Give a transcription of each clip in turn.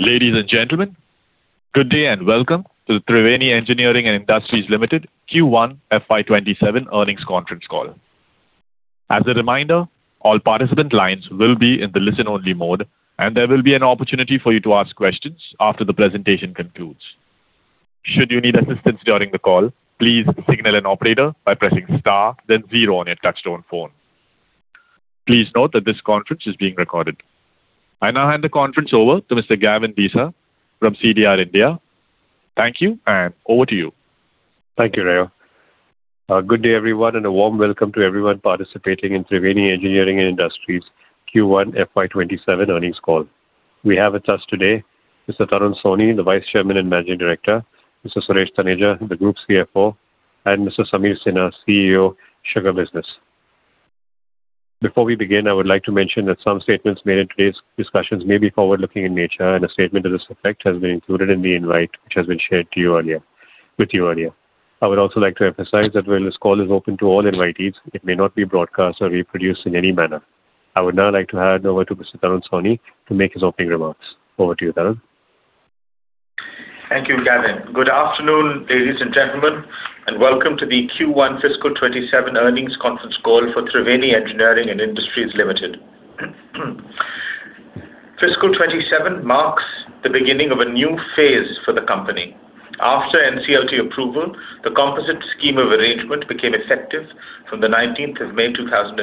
Ladies and gentlemen, good day and welcome to the Triveni Engineering & Industries Limited Q1 FY 2027 Earnings Conference Call. As a reminder, all participant lines will be in the listen-only mode, and there will be an opportunity for you to ask questions after the presentation concludes. Should you need assistance during the call, please signal an operator by pressing star then zero on your touch-tone phone. Please note that this conference is being recorded. I now hand the conference over to Mr. Gavin Desa from CDR India. Thank you, and over to you. Thank you, Ray. Good day, everyone, and a warm welcome to everyone participating in Triveni Engineering & Industries Q1 FY 2027 earnings call. We have with us today Mr. Tarun Sawhney, the Vice Chairman and Managing Director; Mr. Suresh Taneja, the Group CFO; and Mr. Sameer Sinha, CEO, Sugar Business. Before we begin, I would like to mention that some statements made in today's discussions may be forward-looking in nature, and a statement to this effect has been included in the invite, which has been shared with you earlier. I would also like to emphasize that while this call is open to all invitees, it may not be broadcast or reproduced in any manner. I would now like to hand over to Mr. Tarun Sawhney to make his opening remarks. Over to you, Tarun. Thank you, Gavin. Good afternoon, ladies and gentlemen, and welcome to the Q1 fiscal 2027 earnings conference call for Triveni Engineering & Industries Limited. Fiscal 2027 marks the beginning of a new phase for the company. After NCLT approval, the composite scheme of arrangement became effective from the 19th of May 2026.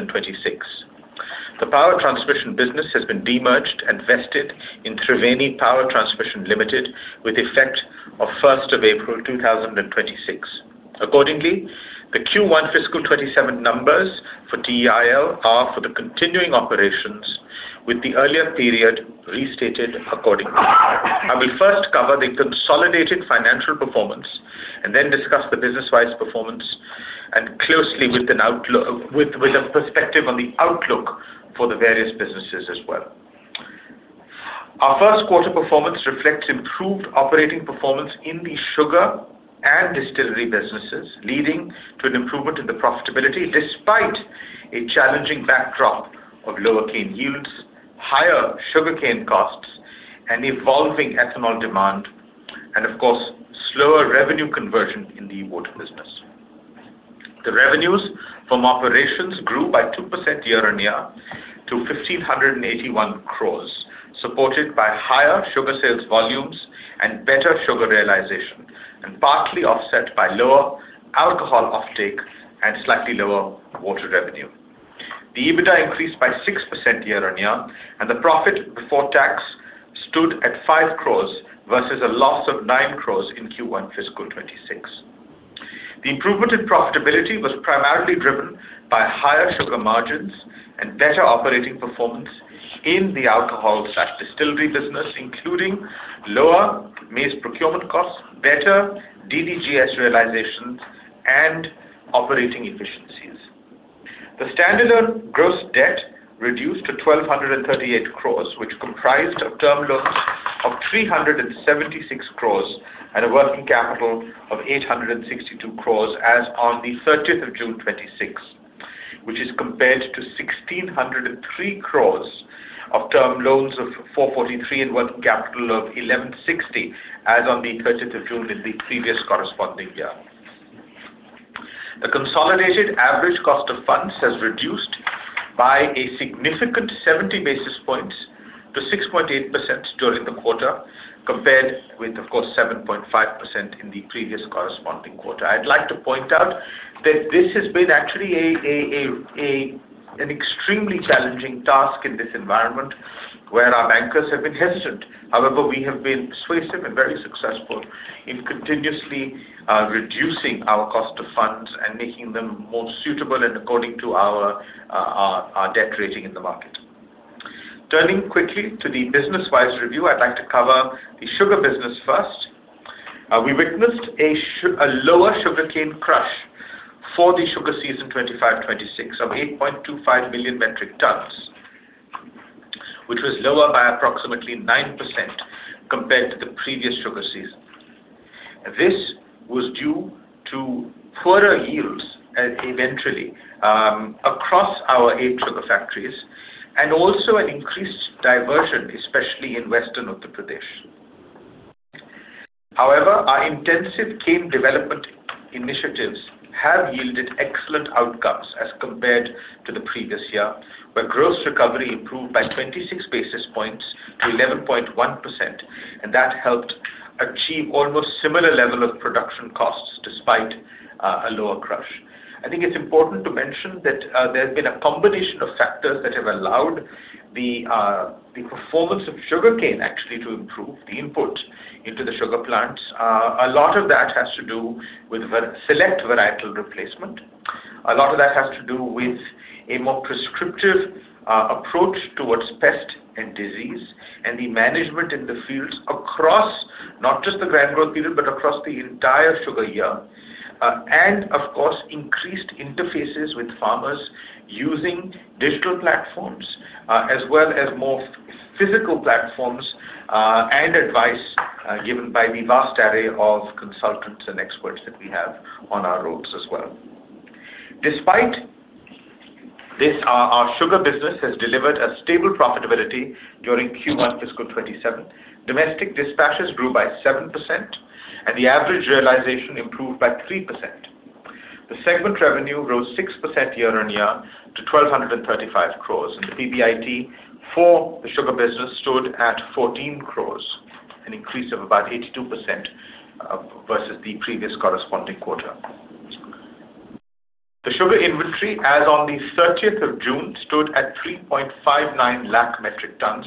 The power transmission business has been de-merged and vested in Triveni Power Transmission Limited with effect of 1st of April 2026. Accordingly, the Q1 fiscal 2027 numbers for TEIL are for the continuing operations with the earlier period restated accordingly. I will first cover the consolidated financial performance and then discuss the business-wise performance and closely with a perspective on the outlook for the various businesses as well. Our first quarter performance reflects improved operating performance in the sugar and distillery businesses, leading to an improvement in the profitability despite a challenging backdrop of lower cane yields, higher sugarcane costs, and evolving ethanol demand, and of course, slower revenue conversion in the water business. The revenues from operations grew by 2% year-on-year to 1,581 crore, supported by higher sugar sales volumes and better sugar realization, and partly offset by lower alcohol offtake and slightly lower water revenue. The EBITDA increased by 6% year-on-year, and the profit before tax stood at 5 crore versus a loss of 9 crore in Q1 fiscal 2026. The improvement in profitability was primarily driven by higher sugar margins and better operating performance in the alcohol/distillery business, including lower maize procurement costs, better DDGS realizations, and operating efficiencies. The standalone gross debt reduced to 1,238 crore, which comprised of term loans of 376 crore and a working capital of 862 crore as on the 30th of June 2026, which is compared to 1,603 crore of term loans of 443 crore and working capital of 1,160 crore as on the 30th of June in the previous corresponding year. The consolidated average cost of funds has reduced by a significant 70 basis points to 6.8% during the quarter, compared with, of course, 7.5% in the previous corresponding quarter. I would like to point out that this has been actually an extremely challenging task in this environment where our bankers have been hesitant. However, we have been persuasive and very successful in continuously reducing our cost of funds and making them more suitable and according to our debt rating in the market. Turning quickly to the business-wise review, I would like to cover the sugar business first. We witnessed a lower sugarcane crush for the sugar season 2025/2026 of 8.25 million metric tons, which was lower by approximately 9% compared to the previous sugar season. This was due to poorer yields eventually across our eight sugar factories and also an increased diversion, especially in Western Uttar Pradesh. However, our intensive cane development initiatives have yielded excellent outcomes as compared to the previous year, where gross recovery improved by 26 basis points to 11.1%, and that helped achieve almost similar level of production costs despite a lower crush. I think it is important to mention that there's been a combination of factors that have allowed the performance of sugarcane actually to improve the input into the sugar plants. A lot of that has to do with select varietal replacement. A lot of that has to do with a more prescriptive approach towards pest and disease and the management in the fields across not just the grand growth period, but across the entire sugar year. Increased interfaces with farmers using digital platforms, as well as more physical platforms, and advice given by the vast array of consultants and experts that we have on our rolls as well. Our sugar business has delivered a stable profitability during Q1 fiscal 2027. Domestic dispatches grew by 7%, and the average realization improved by 3%. The segment revenue rose 6% year-on-year to 1,235 crore, and the PBIT for the sugar business stood at 14 crore, an increase of about 82% versus the previous corresponding quarter. The sugar inventory as on the 30th of June, stood at 3.59 lakh metric tons,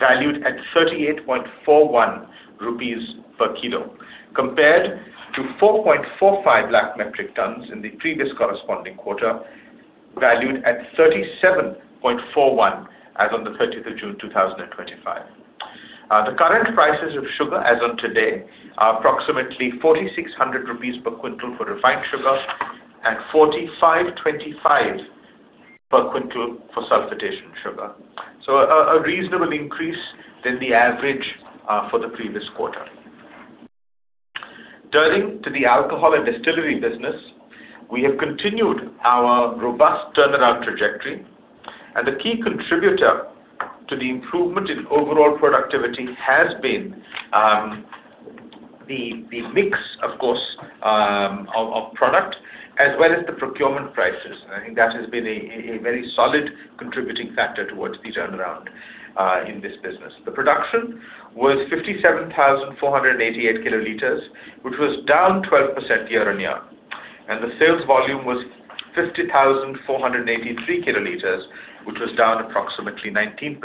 valued at 38.41 rupees per kilo, compared to 4.45 lakh metric tons in the previous corresponding quarter, valued at 37.41 as on the 30th of June 2025. The current prices of sugar as on today are approximately 4,600 rupees per quintal for refined sugar and 4,525 per quintal for sulfitation sugar. A reasonable increase than the average for the previous quarter. Turning to the alcohol and distillery business, we have continued our robust turnaround trajectory, and the key contributor to the improvement in overall productivity has been the mix, of course, of product as well as the procurement prices. I think that has been a very solid contributing factor towards the turnaround in this business. The production was 57,488 kiloliters, which was down 12% year-on-year, the sales volume was 50,483 kiloliters, which was down approximately 19%.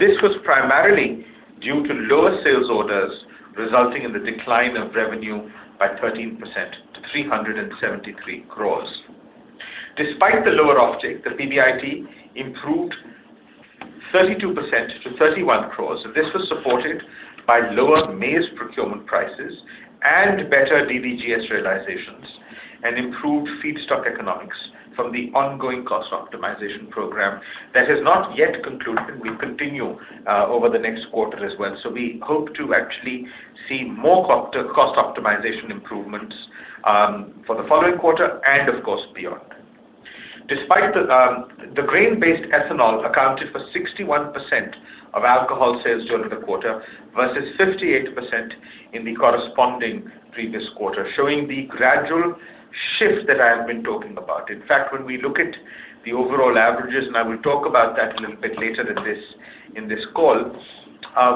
This was primarily due to lower sales orders, resulting in the decline of revenue by 13% to 373 crores. Despite the lower offtake, the PBIT improved 32% to 31 crores. This was supported by lower maize procurement prices, better DDGS realizations, and improved feedstock economics from the ongoing cost optimization program that has not yet concluded. We continue over the next quarter as well. We hope to actually see more cost optimization improvements for the following quarter and of course, beyond. The grain-based ethanol accounted for 61% of alcohol sales during the quarter versus 58% in the corresponding previous quarter, showing the gradual shift that I have been talking about. In fact, when we look at the overall averages, I will talk about that a little bit later in this call,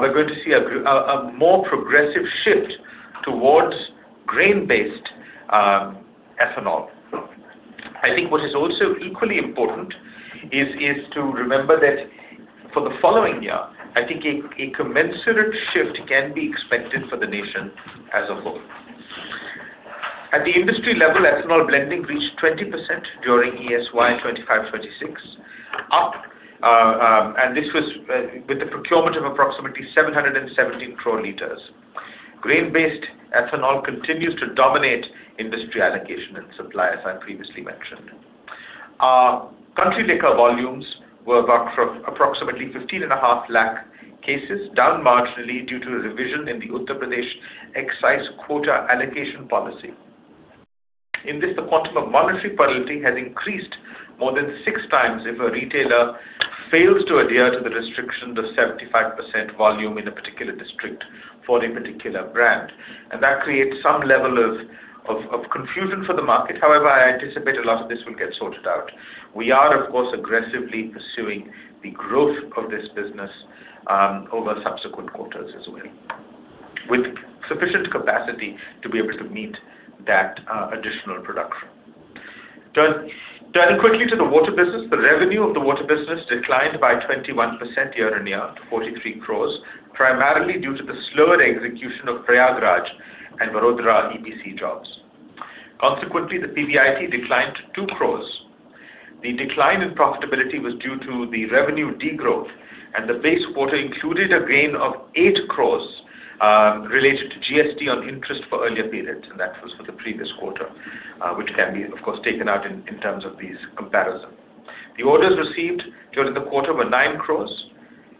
we're going to see a more progressive shift towards grain-based ethanol. I think what is also equally important is to remember that for the following year, I think a commensurate shift can be expected for the nation as a whole. At the industry level, ethanol blending reached 20% during ESY 2025-2026. This was with the procurement of approximately 717 crore liters. Grain-based ethanol continues to dominate industry allocation and supply, as I previously mentioned. Our country liquor volumes were about approximately 15.5 lakh cases, down marginally due to a revision in the Uttar Pradesh excise quota allocation policy. In this, the quantum of monetary penalty has increased more than six times if a retailer fails to adhere to the restriction of 75% volume in a particular district for a particular brand. That creates some level of confusion for the market. However, I anticipate a lot of this will get sorted out. We are, of course, aggressively pursuing the growth of this business over subsequent quarters as well, with sufficient capacity to be able to meet that additional production. Turning quickly to the water business. The revenue of the water business declined by 21% year-on-year to 43 crores, primarily due to the slower execution of Prayagraj and Vadodara EPC jobs. Consequently, the PBIT declined to 2 crores. The decline in profitability was due to the revenue degrowth, the base quarter included a gain of 8 crores related to GST on interest for earlier periods, that was for the previous quarter, which can be, of course, taken out in terms of this comparison. The orders received during the quarter were 9 crores.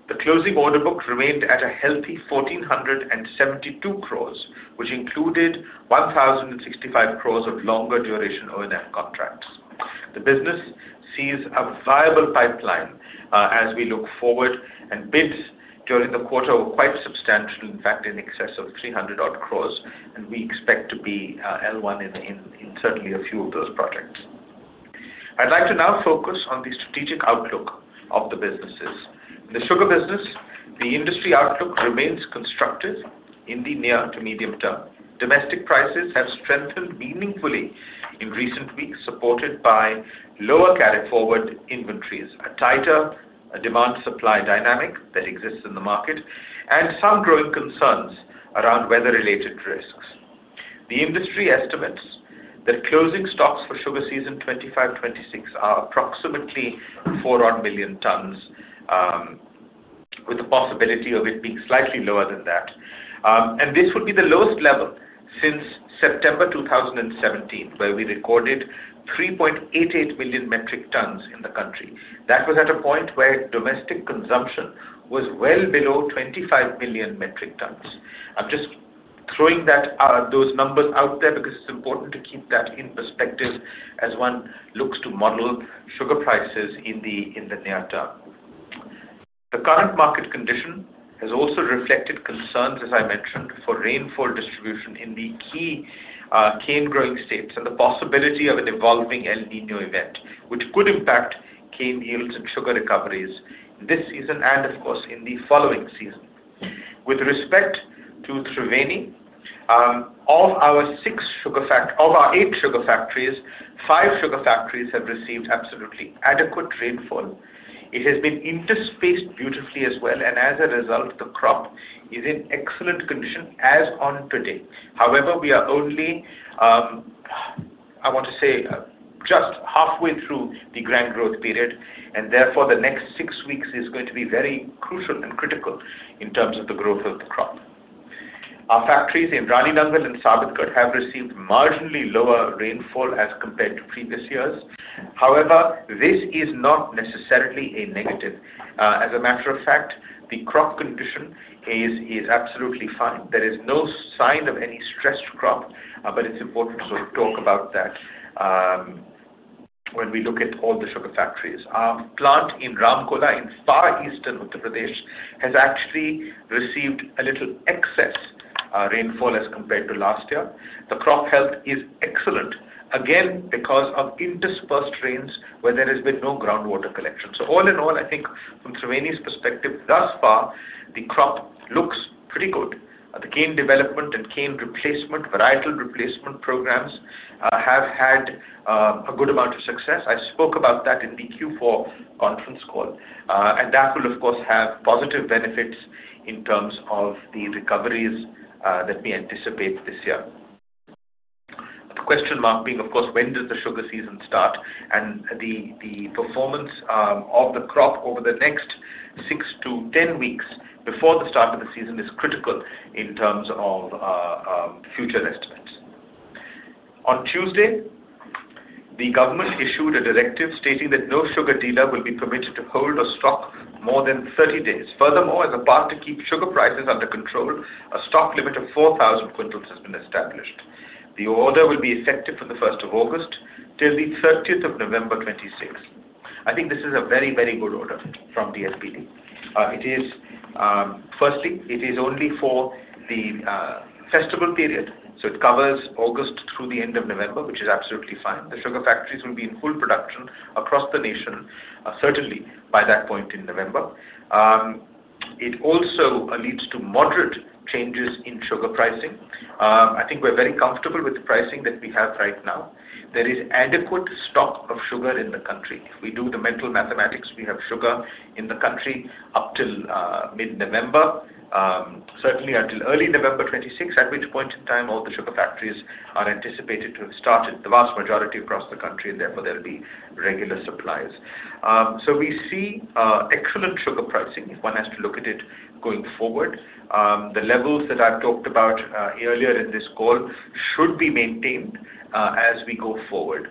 The closing order book remained at a healthy 1,472 crores, which included 1,065 crores of longer duration O&M contracts. The business sees a viable pipeline as we look forward, bids during the quarter were quite substantial, in fact, in excess of 300 odd crores, we expect to be L1 in certainly a few of those projects. I'd like to now focus on the strategic outlook of the businesses. In the sugar business, the industry outlook remains constructive in the near to medium term. Domestic prices have strengthened meaningfully in recent weeks, supported by lower carry forward inventories, a tighter demand-supply dynamic that exists in the market, and some growing concerns around weather-related risks. The industry estimates that closing stocks for sugar season 2025-2026 are approximately 4 odd million tons, with the possibility of it being slightly lower than that. This would be the lowest level since September 2017, where we recorded 3.88 million metric tons in the country. That was at a point where domestic consumption was well below 25 million metric tons. I'm just throwing those numbers out there because it's important to keep that in perspective as one looks to model sugar prices in the near term. The current market condition has also reflected concerns, as I mentioned, for rainfall distribution in the key cane-growing states and the possibility of an evolving El Niño event, which could impact cane yields and sugar recoveries this season and, of course, in the following season. With respect to Triveni, of our eight sugar factories, five sugar factories have received absolutely adequate rainfall. It has been interspaced beautifully as well. As a result, the crop is in excellent condition as on today. However, we are only, I want to say, just halfway through the grand growth period. Therefore, the next six weeks is going to be very crucial and critical in terms of the growth of the crop. Our factories in Rani Nangal and Sabitgarh have received marginally lower rainfall as compared to previous years. However, this is not necessarily a negative. As a matter of fact, the crop condition is absolutely fine. There is no sign of any stressed crop. It's important to talk about that when we look at all the sugar factories. Our plant in Ramkola in far eastern Uttar Pradesh has actually received a little excess rainfall as compared to last year. The crop health is excellent, again, because of interspersed rains where there has been no groundwater collection. All in all, I think from Triveni's perspective, thus far, the crop looks pretty good. The cane development and cane replacement, varietal replacement programs have had a good amount of success. I spoke about that in the Q4 conference call. That will, of course, have positive benefits in terms of the recoveries that we anticipate this year. The question mark being, of course, when does the sugar season start. The performance of the crop over the next six to 10 weeks before the start of the season is critical in terms of futures estimates. On Tuesday, the government issued a directive stating that no sugar dealer will be permitted to hold a stock more than 30 days. Furthermore, as a path to keep sugar prices under control, a stock limit of 4,000 quintals has been established. The order will be effective from the 1st of August till the 30th of November 2026. I think this is a very, very good order from DFPD. Firstly, it is only for the festival period. It covers August through the end of November, which is absolutely fine. The sugar factories will be in full production across the nation, certainly by that point in November. It also leads to moderate changes in sugar pricing. I think we're very comfortable with the pricing that we have right now. There is adequate stock of sugar in the country. If we do the mental mathematics, we have sugar in the country up till mid-November. Certainly until early November 2026, at which point in time all the sugar factories are anticipated to have started the vast majority across the country. Therefore, there'll be regular supplies. We see excellent sugar pricing if one has to look at it going forward. The levels that I've talked about earlier in this call should be maintained as we go forward.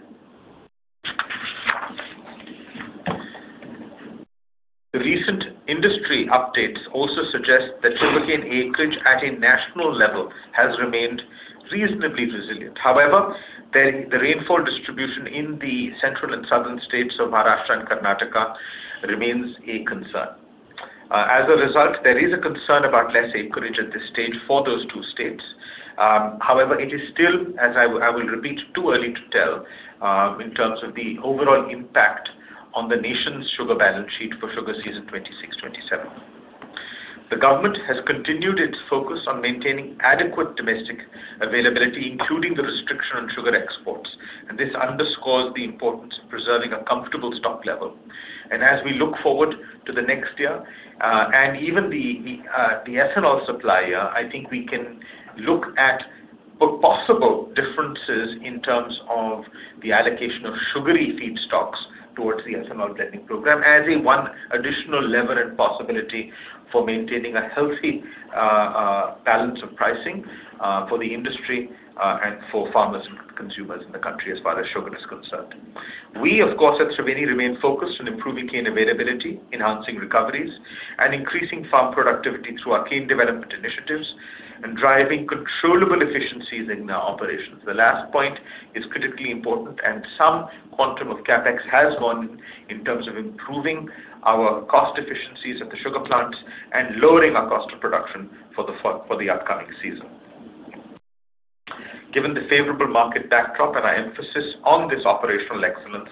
The recent industry updates also suggest that sugarcane acreage at a national level has remained reasonably resilient. However, the rainfall distribution in the central and southern states of Maharashtra and Karnataka remains a concern. As a result, there is a concern about less acreage at this stage for those two states. However, it is still, as I will repeat, too early to tell in terms of the overall impact on the nation's sugar balance sheet for sugar season 2026/2027. The government has continued its focus on maintaining adequate domestic availability, including the restriction on sugar exports. This underscores the importance of preserving a comfortable stock level. As we look forward to the next year, and even the ethanol supply year, I think we can look at possible differences in terms of the allocation of sugary feedstocks towards the ethanol blending program as a one additional lever and possibility for maintaining a healthy balance of pricing for the industry and for farmers and consumers in the country as far as sugar is concerned. We, of course, at Triveni remain focused on improving cane availability, enhancing recoveries, and increasing farm productivity through our cane development initiatives and driving controllable efficiencies in our operations. The last point is critically important. Some quantum of CapEx has gone in in terms of improving our cost efficiencies at the sugar plants and lowering our cost of production for the upcoming season. Given the favorable market backdrop and our emphasis on this operational excellence,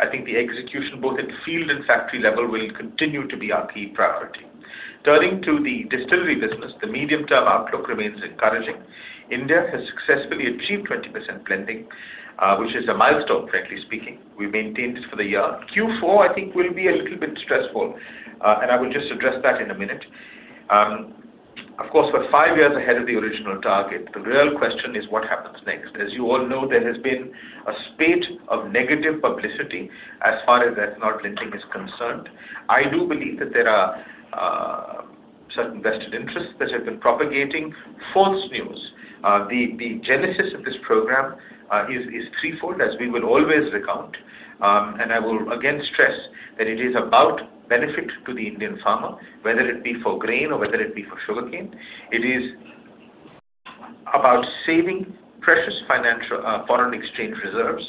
I think the execution, both at field and factory level, will continue to be our key priority. Turning to the distillery business, the medium-term outlook remains encouraging. India has successfully achieved 20% blending, which is a milestone, frankly speaking. We maintained it for the year. Q4, I think, will be a little bit stressful. I will just address that in a minute. Of course, we're five years ahead of the original target. The real question is what happens next. As you all know, there has been a spate of negative publicity as far as ethanol blending is concerned. I do believe that there are certain vested interests that have been propagating false news. The genesis of this program is threefold, as we will always recount. I will again stress that it is about benefit to the Indian farmer, whether it be for grain or whether it be for sugarcane. It is about saving precious foreign exchange reserves.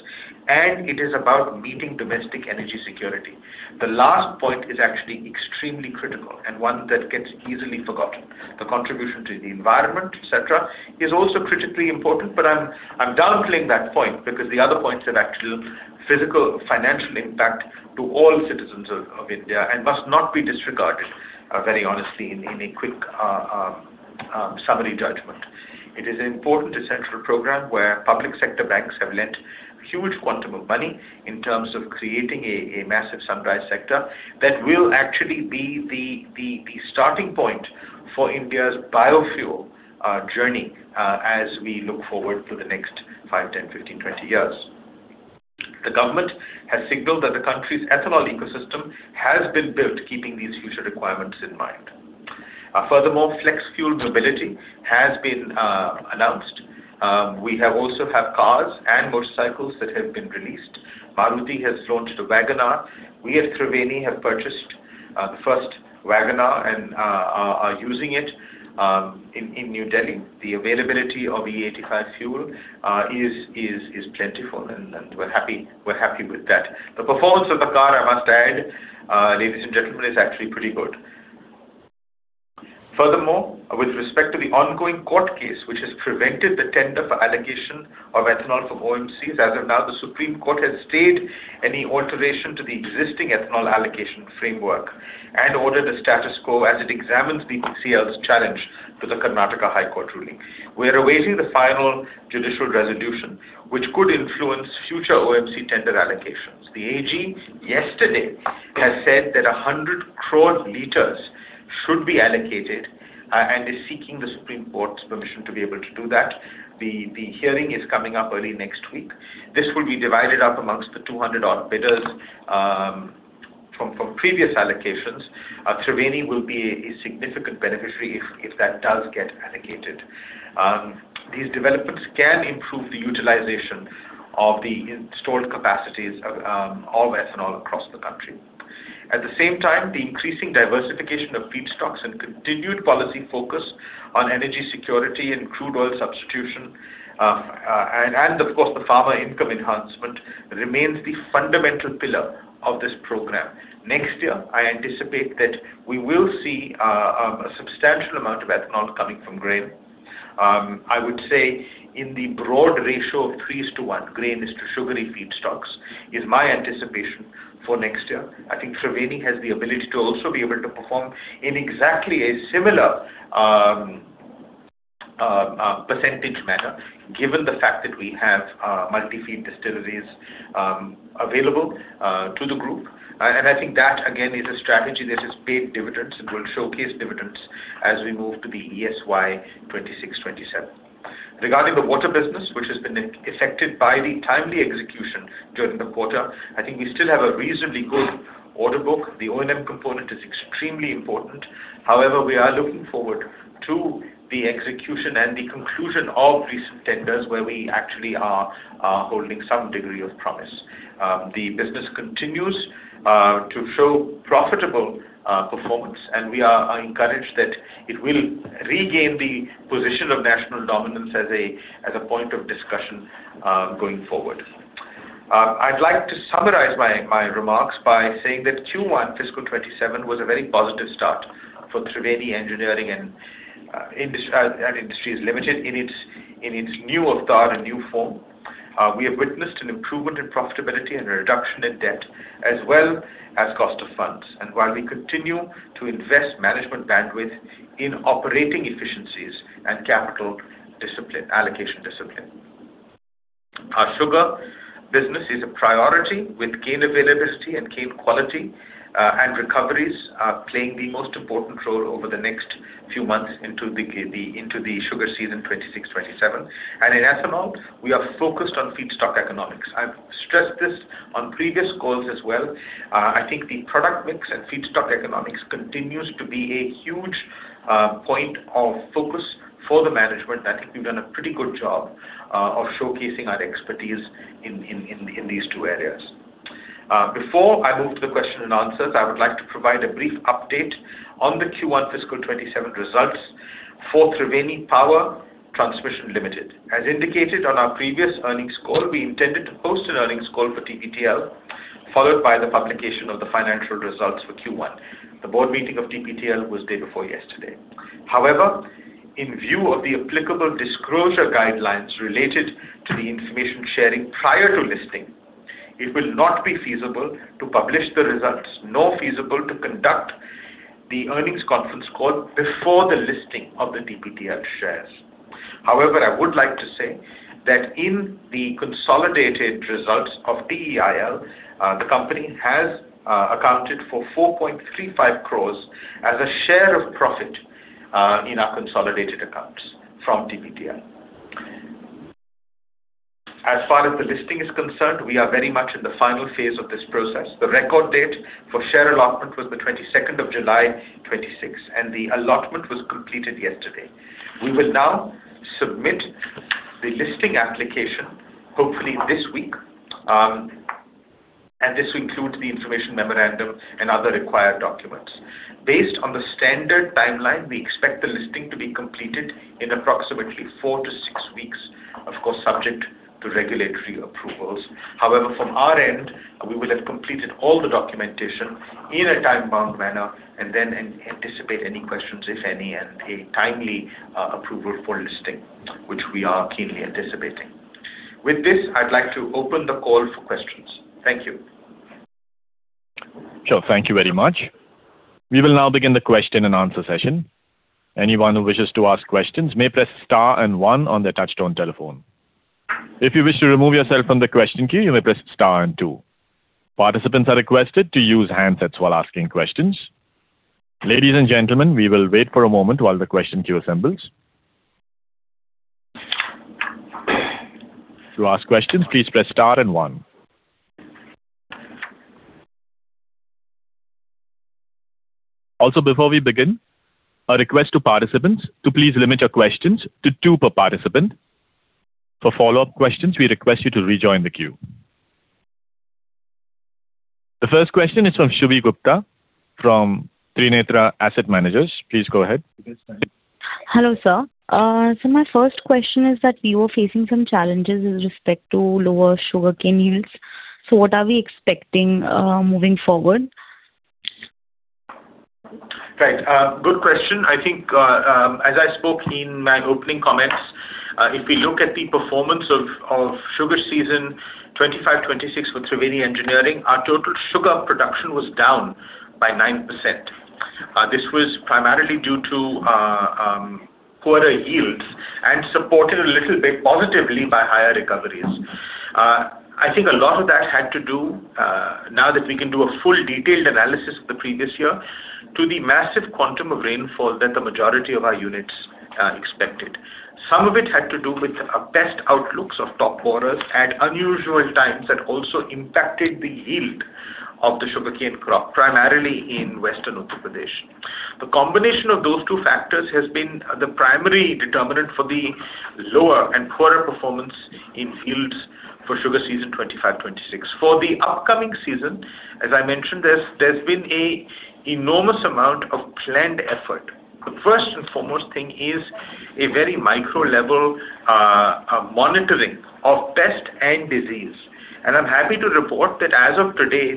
It is about meeting domestic energy security. The last point is actually extremely critical and one that gets easily forgotten. The contribution to the environment, et cetera, is also critically important. I'm downplaying that point because the other points are actual physical, financial impact to all citizens of India and must not be disregarded very honestly in a quick summary judgment. It is an important central program where public sector banks have lent a huge quantum of money in terms of creating a massive sunrise sector that will actually be the starting point for India's biofuel journey as we look forward to the next five, 10, 15, 20 years. The government has signaled that the country's ethanol ecosystem has been built keeping these future requirements in mind. Flex fuel mobility has been announced. We also have cars and motorcycles that have been released. Maruti has launched the Wagon R. We at Triveni have purchased the first Wagon R and are using it in New Delhi. The availability of E85 fuel is plentiful, and we're happy with that. The performance of the car, I must add, ladies and gentlemen, is actually pretty good. With respect to the ongoing court case, which has prevented the tender for allocation of ethanol from OMCs, as of now, the Supreme Court has stayed any alteration to the existing ethanol allocation framework and ordered a status quo as it examines BPCL's challenge to the Karnataka High Court ruling. We are awaiting the final judicial resolution, which could influence future OMC tender allocations. The AG yesterday has said that 100 crore liters should be allocated, and is seeking the Supreme Court's permission to be able to do that. The hearing is coming up early next week. This will be divided up amongst the 200-odd bidders from previous allocations. Triveni will be a significant beneficiary if that does get allocated. These developments can improve the utilization of the installed capacities of all ethanol across the country. At the same time, the increasing diversification of feedstocks and continued policy focus on energy security and crude oil substitution, and of course, the farmer income enhancement, remains the fundamental pillar of this program. Next year, I anticipate that we will see a substantial amount of ethanol coming from grain. I would say in the broad ratio of 3:1, grain is to sugary feedstocks, is my anticipation for next year. I think Triveni has the ability to also be able to perform in exactly a similar percentage manner, given the fact that we have multi-feed distilleries available to the group. I think that, again, is a strategy that has paid dividends and will showcase dividends as we move to the ESY 2026/2027. Regarding the water business, which has been affected by the timely execution during the quarter, I think we still have a reasonably good order book. The O&M component is extremely important. We are looking forward to the execution and the conclusion of recent tenders where we actually are holding some degree of promise. The business continues to show profitable performance, and we are encouraged that it will regain the position of national dominance as a point of discussion going forward. I'd like to summarize my remarks by saying that Q1 fiscal 2027 was a very positive start for Triveni Engineering & Industries Limited in its new avatar and new form. We have witnessed an improvement in profitability and a reduction in debt as well as cost of funds. While we continue to invest management bandwidth in operating efficiencies and capital allocation discipline. Our sugar business is a priority with cane availability and cane quality, and recoveries are playing the most important role over the next few months into the sugar season 2026/2027. In ethanol, we are focused on feedstock economics. I've stressed this on previous calls as well. I think the product mix and feedstock economics continues to be a huge point of focus for the management. I think we've done a pretty good job of showcasing our expertise in these two areas. Before I move to the question and answers, I would like to provide a brief update on the Q1 fiscal 2027 results for Triveni Power Transmission Limited. As indicated on our previous earnings call, we intended to host an earnings call for TPTL, followed by the publication of the financial results for Q1. The board meeting of TPTL was day before yesterday. In view of the applicable disclosure guidelines related to the information sharing prior to listing, it will not be feasible to publish the results, nor feasible to conduct the earnings conference call before the listing of the TPTL shares. I would like to say that in the consolidated results of TEIL, the company has accounted for 4.35 crore as a share of profit in our consolidated accounts from TPTL. As far as the listing is concerned, we are very much in the final phase of this process. The record date for share allotment was the 22nd of July 2026, and the allotment was completed yesterday. We will now submit the listing application hopefully this week. This includes the information memorandum and other required documents. Based on the standard timeline, we expect the listing to be completed in approximately four to six weeks, of course, subject to regulatory approvals. From our end, we will have completed all the documentation in a time-bound manner and then anticipate any questions, if any, and a timely approval for listing, which we are keenly anticipating. With this, I'd like to open the call for questions. Thank you. Sure. Thank you very much. We will now begin the question and answer session. Anyone who wishes to ask questions may press star and one on their touch-tone telephone. If you wish to remove yourself from the question queue, you may press star and two. Participants are requested to use handsets while asking questions. Ladies and gentlemen, we will wait for a moment while the question queue assembles. To ask questions, please press star and one. Also, before we begin, a request to participants to please limit your questions to two per participant. For follow-up questions, we request you to rejoin the queue. The first question is from Shubhi Gupta from Trinetra Asset Managers. Please go ahead. Hello, sir. My first question is that we were facing some challenges with respect to lower sugarcane yields. What are we expecting moving forward? Right. Good question. I think, as I spoke in my opening comments, if we look at the performance of sugar season 2025/2026 with Triveni Engineering, our total sugar production was down by 9%. This was primarily due to poorer yields and supported a little bit positively by higher recoveries. I think a lot of that had to do, now that we can do a full detailed analysis of the previous year, to the massive quantum of rainfall that the majority of our units expected. Some of it had to do with pest outlooks of top borers at unusual times that also impacted the yield of the sugarcane crop, primarily in Western Uttar Pradesh. The combination of those two factors has been the primary determinant for the lower and poorer performance in yields for sugar season 25/26. For the upcoming season, as I mentioned, there's been an enormous amount of planned effort. The first and foremost thing is a very micro-level monitoring of pest and disease. I'm happy to report that as of today,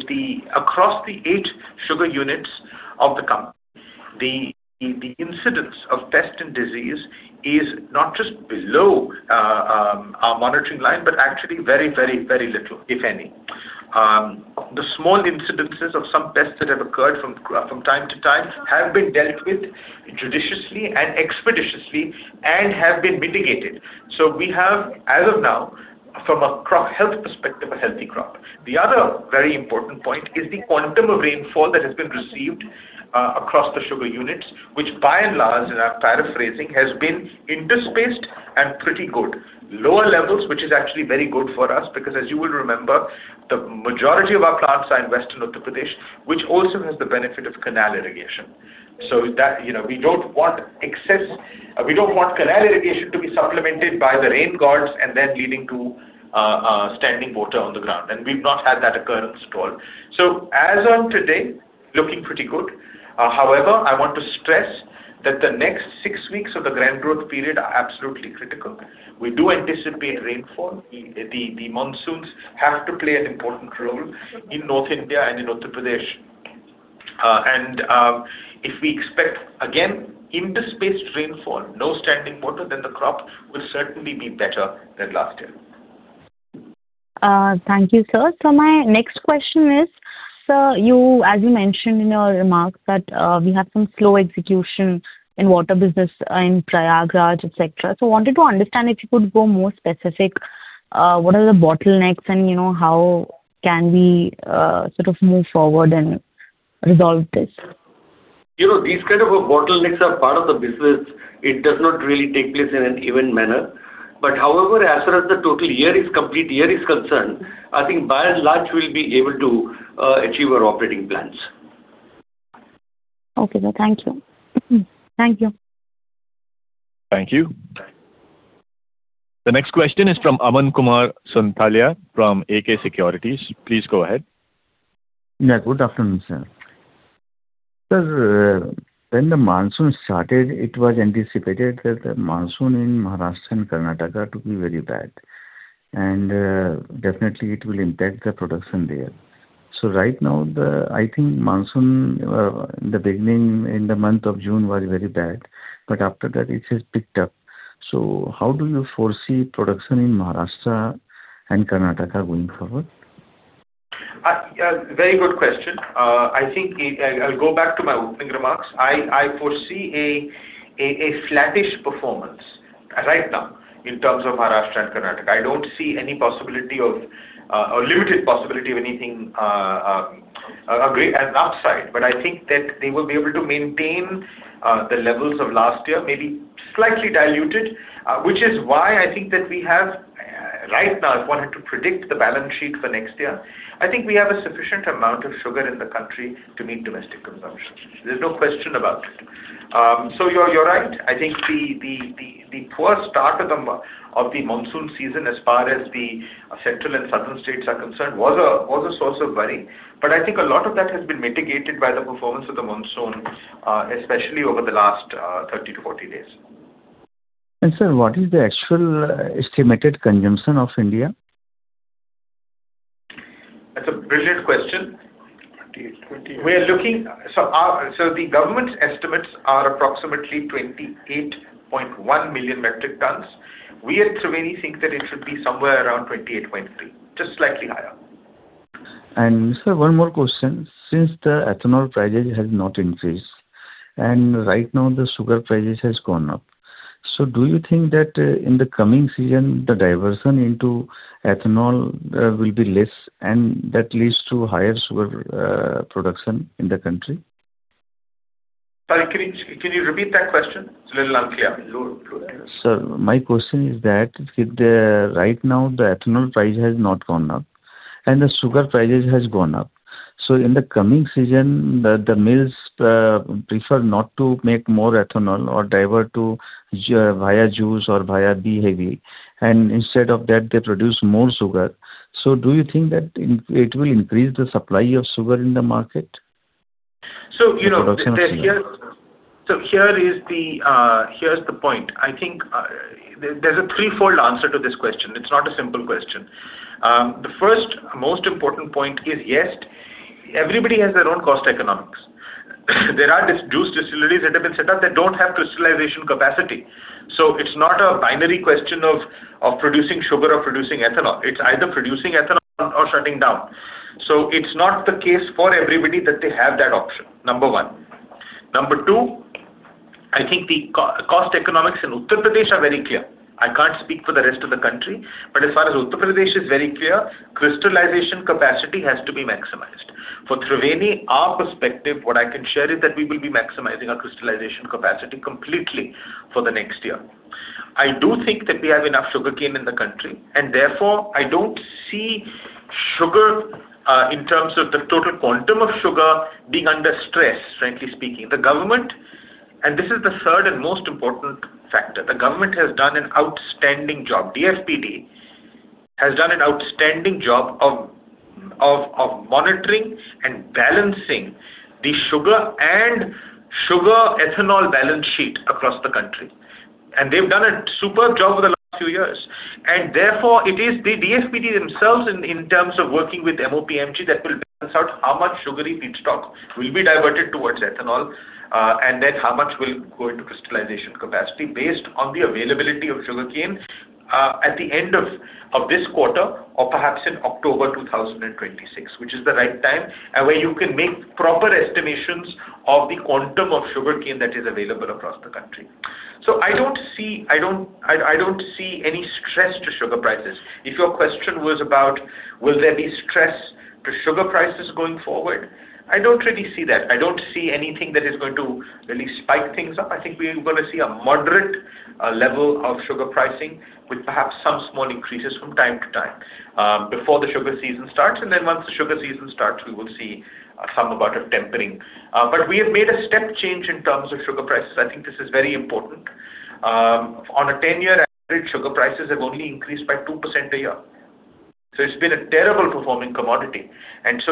across the eight sugar units of the company, the incidence of pest and disease is not just below our monitoring line, but actually very little, if any. The small incidences of some pests that have occurred from time to time have been dealt with judiciously and expeditiously and have been mitigated. We have, as of now, from a crop health perspective, a healthy crop. The other very important point is the quantum of rainfall that has been received across the sugar units, which by and large, and I'm paraphrasing, has been interspersed and pretty good. Lower levels, which is actually very good for us, because as you will remember, the majority of our plants are in Western Uttar Pradesh, which also has the benefit of canal irrigation. We don't want canal irrigation to be supplemented by the rain gods and then leading to standing water on the ground. We've not had that occurrence at all. As of today, looking pretty good. However, I want to stress that the next six weeks of the grand growth period are absolutely critical. We do anticipate rainfall. The monsoons have to play an important role in North India and in Uttar Pradesh. If we expect, again, interspersed rainfall, no standing water, then the crop will certainly be better than last year. Thank you, sir. My next question is: Sir, as you mentioned in your remarks that we have some slow execution in water business in Prayagraj, et cetera. Wanted to understand if you could go more specific, what are the bottlenecks and how can we sort of move forward and resolve this? These kind of bottlenecks are part of the business. It does not really take place in an even manner. However, as far as the total year is concerned, I think by and large, we'll be able to achieve our operating plans. Okay, sir. Thank you. Thank you. Thank you. The next question is from Aman Kumar Sonthalia from AK Securities. Please go ahead. Good afternoon, sir. Sir, when the monsoon started, it was anticipated that the monsoon in Maharashtra and Karnataka to be very bad, and definitely it will impact the production there. Right now, I think monsoon, in the beginning in the month of June, was very bad, but after that it has picked up. How do you foresee production in Maharashtra and Karnataka going forward? Very good question. I think I'll go back to my opening remarks. I foresee a flattish performance right now in terms of Maharashtra and Karnataka. I don't see any possibility of, or limited possibility of anything great as an upside. I think that they will be able to maintain the levels of last year, maybe slightly diluted, which is why I think that we have. Right now, if one had to predict the balance sheet for next year, I think we have a sufficient amount of sugar in the country to meet domestic consumption. There's no question about it. You're right. I think the poor start of the monsoon season as far as the central and southern states are concerned was a source of worry. I think a lot of that has been mitigated by the performance of the monsoon, especially over the last 30 days-40 days. Sir, what is the actual estimated consumption of India? That's a brilliant question. 28. The government's estimates are approximately 28.1 million metric tons. We at Triveni think that it should be somewhere around 28.3, just slightly higher. Sir, one more question. Since the ethanol prices has not increased, and right now the sugar prices has gone up. Do you think that in the coming season, the diversion into ethanol will be less and that leads to higher sugar production in the country? Sorry, can you repeat that question? It's a little unclear. Sir, my question is that right now the ethanol price has not gone up and the sugar prices has gone up. In the coming season, the mills prefer not to make more ethanol or divert to via juice or via B heavy, and instead of that, they produce more sugar. Do you think that it will increase the supply of sugar in the market? Here's the point. I think there's a threefold answer to this question. It's not a simple question. The first most important point is, yes, everybody has their own cost economics. There are these juice distilleries that have been set up that don't have crystallization capacity. It's not a binary question of producing sugar or producing ethanol. It's either producing ethanol or shutting down. It's not the case for everybody that they have that option. Number 1. Number 2, I think the cost economics in Uttar Pradesh are very clear. I can't speak for the rest of the country, but as far as Uttar Pradesh is very clear, crystallization capacity has to be maximized. For Triveni, our perspective, what I can share is that we will be maximizing our crystallization capacity completely for the next year. I do think that we have enough sugarcane in the country, and therefore, I don't see sugar in terms of the total quantum of sugar being under stress, frankly speaking. The government, and this is the third and most important factor. The government has done an outstanding job. DFPD has done an outstanding job of monitoring and balancing the sugar and sugar ethanol balance sheet across the country. They've done a superb job over the last few years. Therefore it is the DFPD themselves in terms of working with MoPNG that will balance out how much sugary feedstock will be diverted towards ethanol, and then how much will go into crystallization capacity based on the availability of sugarcane, at the end of this quarter or perhaps in October 2026, which is the right time and where you can make proper estimations of the quantum of sugarcane that is available across the country. I don't see any stress to sugar prices. If your question was about will there be stress to sugar prices going forward, I don't really see that. I don't see anything that is going to really spike things up. I think we're going to see a moderate level of sugar pricing with perhaps some small increases from time to time before the sugar season starts, then once the sugar season starts, we will see some amount of tempering. We have made a step change in terms of sugar prices. I think this is very important. On a 10-year average, sugar prices have only increased by 2% a year. It's been a terrible performing commodity.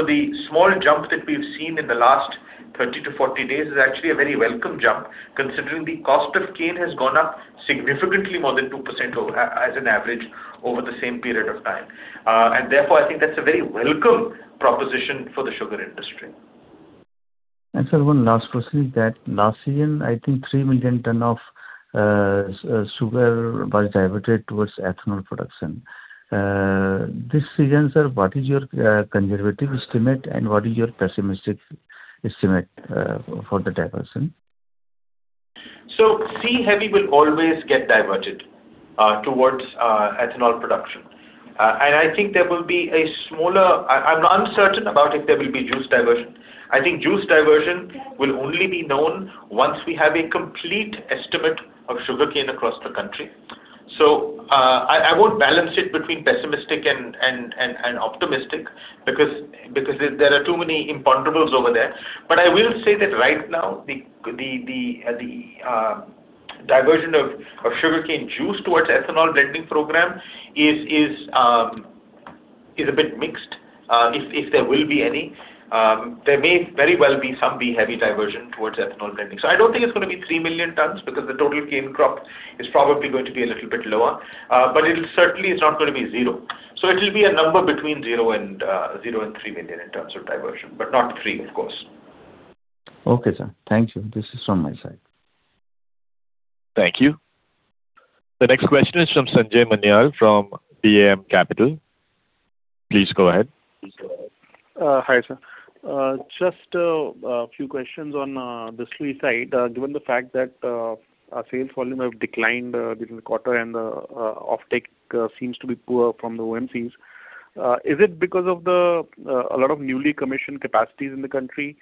The small jump that we've seen in the last 30 days-40 days is actually a very welcome jump considering the cost of cane has gone up significantly more than 2% as an average over the same period of time. Therefore, I think that's a very welcome proposition for the sugar industry. Sir, one last question is that last season, I think 3 million tons of sugar was diverted towards ethanol production. This season, sir, what is your conservative estimate, and what is your pessimistic estimate for the diversion? C heavy will always get diverted towards ethanol production. I'm uncertain about if there will be juice diversion. I think juice diversion will only be known once we have a complete estimate of sugarcane across the country. I won't balance it between pessimistic and optimistic because there are too many imponderables over there. I will say that right now the diversion of sugarcane juice towards ethanol blending program is a bit mixed if there will be any. There may very well be some B heavy diversion towards ethanol blending. I don't think it's going to be 3 million tons because the total cane crop is probably going to be a little bit lower. It certainly is not going to be zero. It will be a number between zero and 3 million in terms of diversion, but not three, of course. Okay, sir. Thank you. This is from my side. Thank you. The next question is from Sanjay Manyal from BAM Capital. Please go ahead. Please go ahead. Hi, sir. Just a few questions on the sweet side. Given the fact that our sales volume have declined this quarter and the offtake seems to be poor from the OMCs. Is it because of a lot of newly commissioned capacities in the country?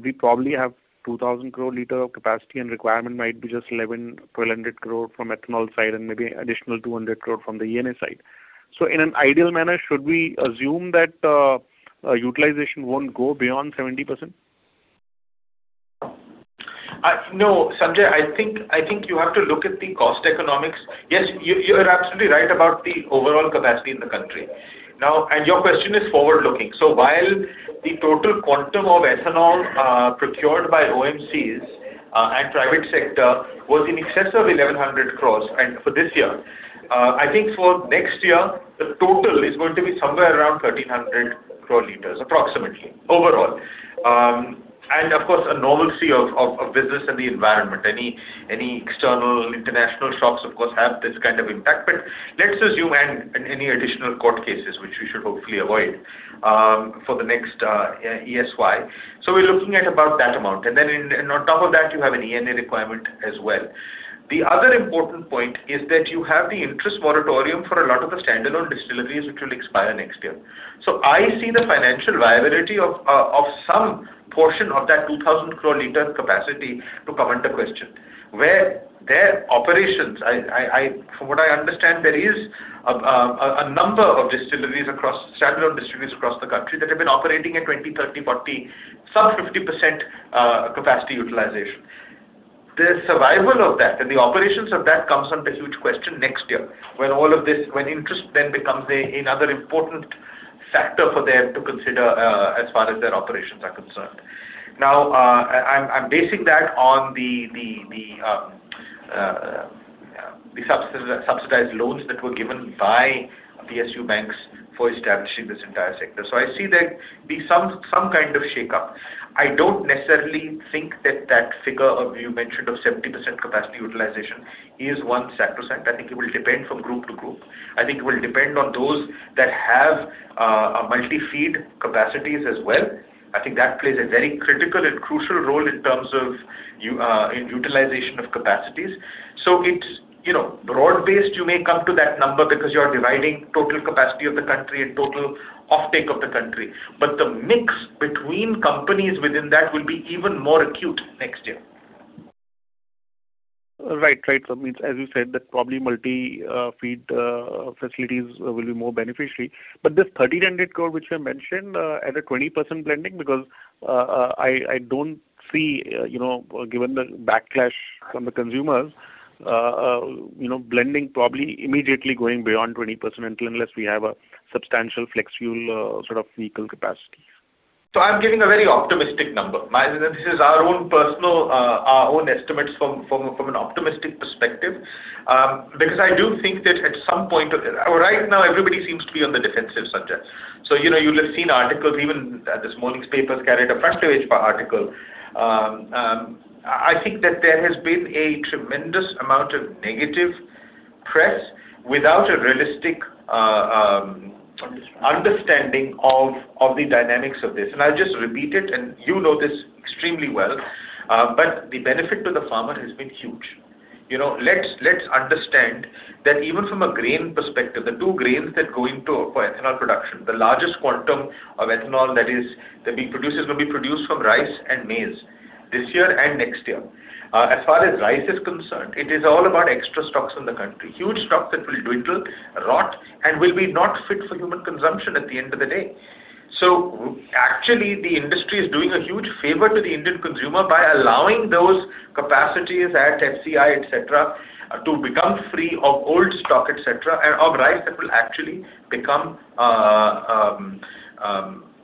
We probably have 2,000 crore liter of capacity and requirement might be just 1,100, 1,200 crore from ethanol side and maybe additional 200 crore from the ENA side. In an ideal manner, should we assume that utilization won't go beyond 70%? No, Sanjay, I think you have to look at the cost economics. Yes, you are absolutely right about the overall capacity in the country. Your question is forward-looking. While the total quantum of ethanol procured by OMCs and private sector was in excess of 1,100 crores for this year, I think for next year, the total is going to be somewhere around 1,300 crore liters approximately, overall. Of course, a normalcy of business and the environment. Any external international shocks of course have this kind of impact, but let's assume and any additional court cases, which we should hopefully avoid, for the next ESY. We're looking at about that amount. On top of that, you have an ENA requirement as well. The other important point is that you have the interest moratorium for a lot of the standalone distilleries, which will expire next year. I see the financial viability of some portion of that 2,000 crore liter capacity to come under question, where their operations, from what I understand, there is a number of standalone distilleries across the country that have been operating at 20%, 30%, 40%, some 50% capacity utilization. The survival of that and the operations of that comes under huge question next year, when interest then becomes another important factor for them to consider as far as their operations are concerned. Now, I'm basing that on the subsidized loans that were given by PSU banks for establishing this entire sector. I see that some kind of shakeup. I don't necessarily think that figure you mentioned of 70% capacity utilization is one sacrosanct. I think it will depend from group to group. I think it will depend on those that have a multi-feed capacities as well. I think that plays a very critical and crucial role in terms of utilization of capacities. Broad-based, you may come to that number because you are dividing total capacity of the country and total offtake of the country. The mix between companies within that will be even more acute next year. Right. As you said, that probably multi-feed facilities will be more beneficiary. This 1,300 crore which I mentioned at a 20% blending because I don't see, given the backlash from the consumers, blending probably immediately going beyond 20% until unless we have a substantial flex fuel sort of vehicle capacity. I'm giving a very optimistic number. This is our own personal estimates from an optimistic perspective, because I do think that at some point. Right now, everybody seems to be on the defensive, Sanjay. You would have seen articles, even this morning's papers carried a front-page article. I think that there has been a tremendous amount of negative press without a realistic understanding of the dynamics of this. I'll just repeat it, and you know this extremely well, but the benefit to the farmer has been huge. Let's understand that even from a grain perspective, the two grains that go into ethanol production, the largest quantum of ethanol that is going to be produced from rice and maize this year and next year. As far as rice is concerned, it is all about extra stocks in the country. Huge stocks that will dwindle, rot, and will be not fit for human consumption at the end of the day. Actually, the industry is doing a huge favor to the Indian consumer by allowing those capacities at FCI, et cetera, to become free of old stock, et cetera, and of rice that will actually become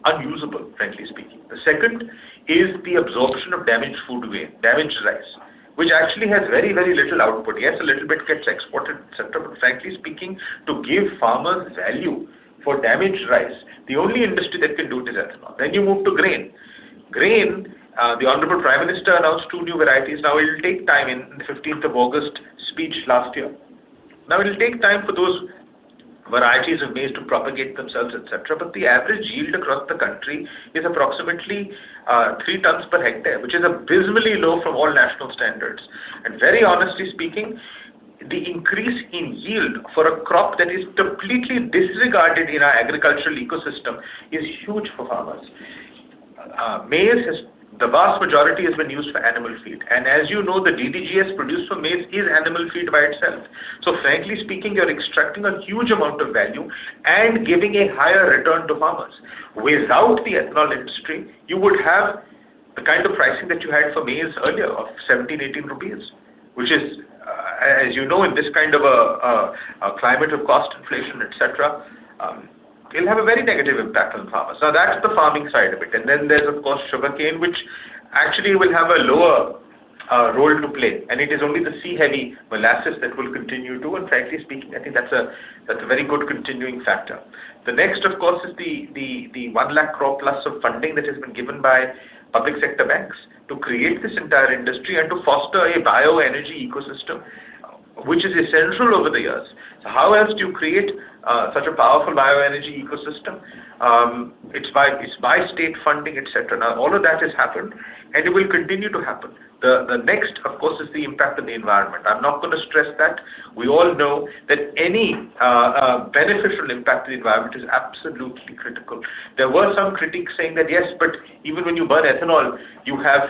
unusable, frankly speaking. The second is the absorption of damaged food grain, damaged rice, which actually has very little output. Yes, a little bit gets exported, et cetera. Frankly speaking, to give farmers value for damaged rice, the only industry that can do it is ethanol. You move to grain. Grain, the honorable Prime Minister announced two new varieties. It will take time in the 15th of August speech last year. It will take time for those varieties of maize to propagate themselves, et cetera. The average yield across the country is approximately three tons per hectare, which is abysmally low from all national standards. Very honestly speaking, the increase in yield for a crop that is completely disregarded in our agricultural ecosystem is huge for farmers. Maize, the vast majority has been used for animal feed. As you know, the DDGS produced for maize is animal feed by itself. Frankly speaking, you're extracting a huge amount of value and giving a higher return to farmers. Without the ethanol industry, you would have the kind of pricing that you had for maize earlier of 17 rupees, INR 18, which is, as you know, in this kind of a climate of cost inflation, et cetera, it'll have a very negative impact on farmers. That's the farming side of it. Then there's, of course, sugarcane, which actually will have a lower role to play, and it is only the C-heavy molasses that will continue to. Frankly speaking, I think that's a very good continuing factor. Next, of course, is the 1 lakh crore plus of funding that has been given by public sector banks to create this entire industry and to foster a bioenergy ecosystem, which is essential over the years. How else do you create such a powerful bioenergy ecosystem? It's by state funding, et cetera. All of that has happened, and it will continue to happen. Next, of course, is the impact on the environment. I'm not going to stress that. We all know that any beneficial impact to the environment is absolutely critical. There were some critics saying that, yes, but even when you burn ethanol, you have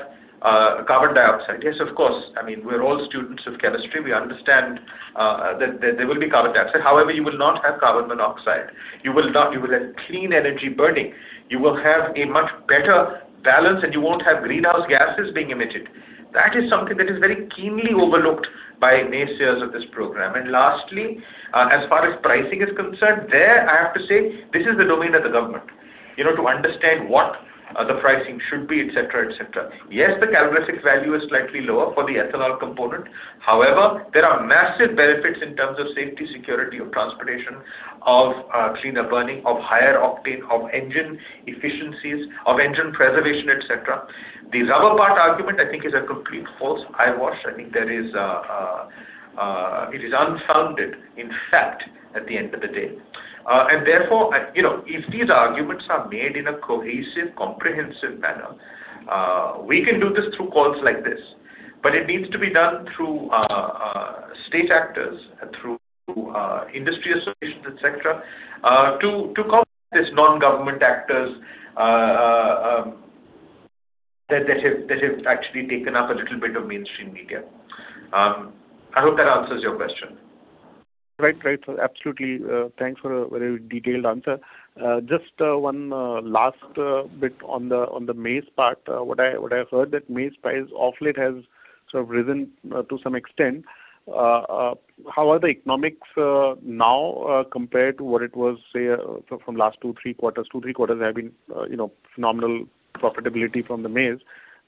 carbon dioxide. Yes, of course. We're all students of chemistry, we understand that there will be carbon dioxide. However, you will not have carbon monoxide. You will have clean energy burning. You will have a much better balance, and you won't have greenhouse gases being emitted. That is something that is very keenly overlooked by naysayers of this program. Lastly, as far as pricing is concerned, there I have to say this is the domain of the government to understand what the pricing should be, et cetera. Yes, the calorific value is slightly lower for the ethanol component. However, there are massive benefits in terms of safety, security of transportation, of cleaner burning, of higher octane, of engine efficiencies, of engine preservation, et cetera. The rubber part argument, I think is a complete false eyewash. I think it is unfounded in fact at the end of the day. Therefore, if these arguments are made in a cohesive, comprehensive manner, we can do this through calls like this, but it needs to be done through state actors and through industry associations, et cetera, to combat this non-government actors that have actually taken up a little bit of mainstream media. I hope that answers your question. Right, sir. Absolutely. Thanks for a very detailed answer. Just one last bit on the maize part. What I have heard that maize price of late has sort of risen to some extent. How are the economics now compared to what it was, say, from last two, three quarters? Two, three quarters there have been nominal profitability from the maize.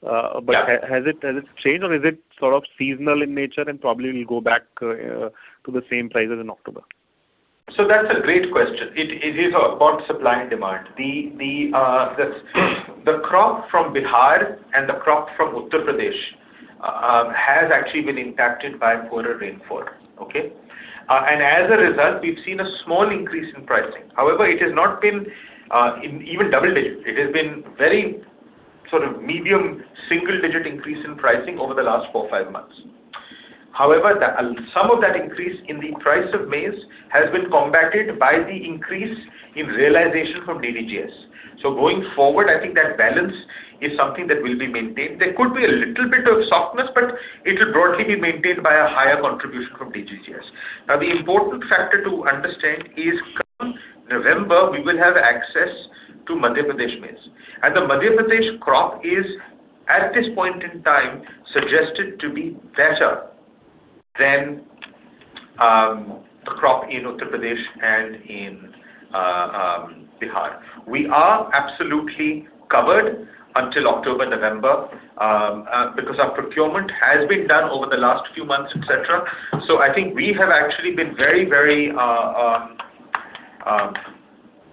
Yeah. Has it changed or is it sort of seasonal in nature and probably will go back to the same prices in October? That's a great question. It is about supply and demand. The crop from Bihar and the crop from Uttar Pradesh has actually been impacted by poorer rainfall. Okay? As a result, we've seen a small increase in pricing. However, it has not been even double-digit. It has been very sort of medium, single-digit increase in pricing over the last four, five months. However, some of that increase in the price of maize has been combated by the increase in realization from DDGS. Going forward, I think that balance is something that will be maintained. There could be a little bit of softness, but it will broadly be maintained by a higher contribution from DDGS. The important factor to understand is, come November, we will have access to Madhya Pradesh maize. The Madhya Pradesh crop is, at this point in time, suggested to be better than the crop in Uttar Pradesh and in Bihar. We are absolutely covered until October, November because our procurement has been done over the last few months, et cetera. I think we have actually been very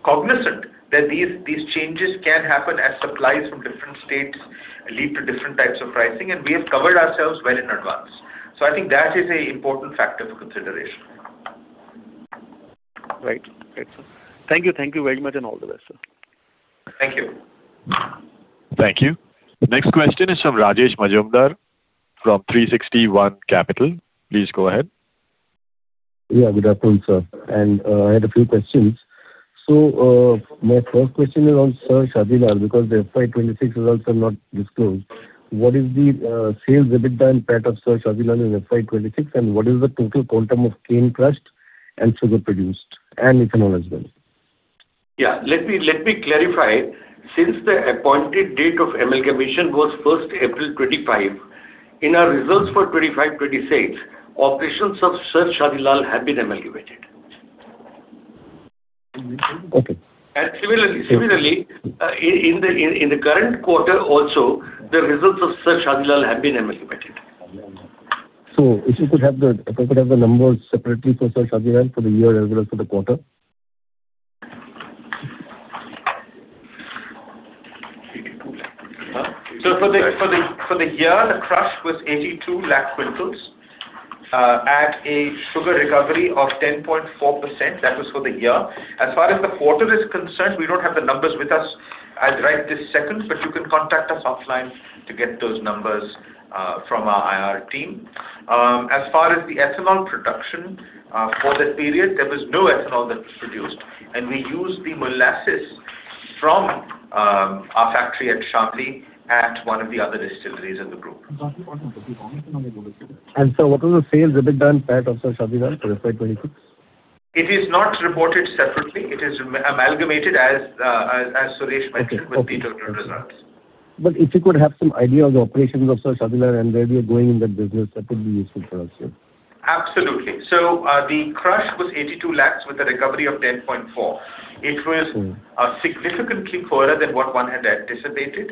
cognizant that these changes can happen as supplies from different states lead to different types of pricing, and we have covered ourselves well in advance. I think that is an important factor for consideration. Right. Great, sir. Thank you very much, and all the best, sir. Thank you. Thank you. Next question is from Rajesh Majumdar from 360 ONE Capital. Please go ahead. Yeah. Good afternoon, sir. I had a few questions. My first question is on Sir Shadi Lal Enterprises Limited because the FY 2026 results are not disclosed. What is the sales EBITDA and PAT of Sir Shadi Lal Enterprises Limited in FY 2026, and what is the total quantum of cane crushed and sugar produced, and ethanol as well? Yeah. Let me clarify. Since the appointed date of amalgamation was 1st April 2025, in our results for 2025, 2026, operations of Sir Shadi Lal have been amalgamated. Okay. Similarly, in the current quarter also, the results of Sir Shadi Lal have been amalgamated. If we could have the numbers separately for Sir Shadi Lal for the year as well as for the quarter. For the year, the crush was 82 lakh quintals at a sugar recovery of 10.4%. That was for the year. As far as the quarter is concerned, we don't have the numbers with us. I'll write this second, but you can contact us offline to get those numbers from our IR team. As far as the ethanol production, for that period, there was no ethanol that was produced. We used the molasses from our factory at Shamli at one of the other distilleries in the group. sir, what was the sales EBITDA and PAT of Sir Shadi Lal for FY 2026? It is not reported separately. It is amalgamated, as Suresh mentioned. Okay with the total results. If we could have some idea of the operations of Sir Shadi Lal and where we are going in that business, that would be useful for us, sir. Absolutely. The crush was 82 lakhs with a recovery of 10.4%. It was significantly poorer than what one had anticipated.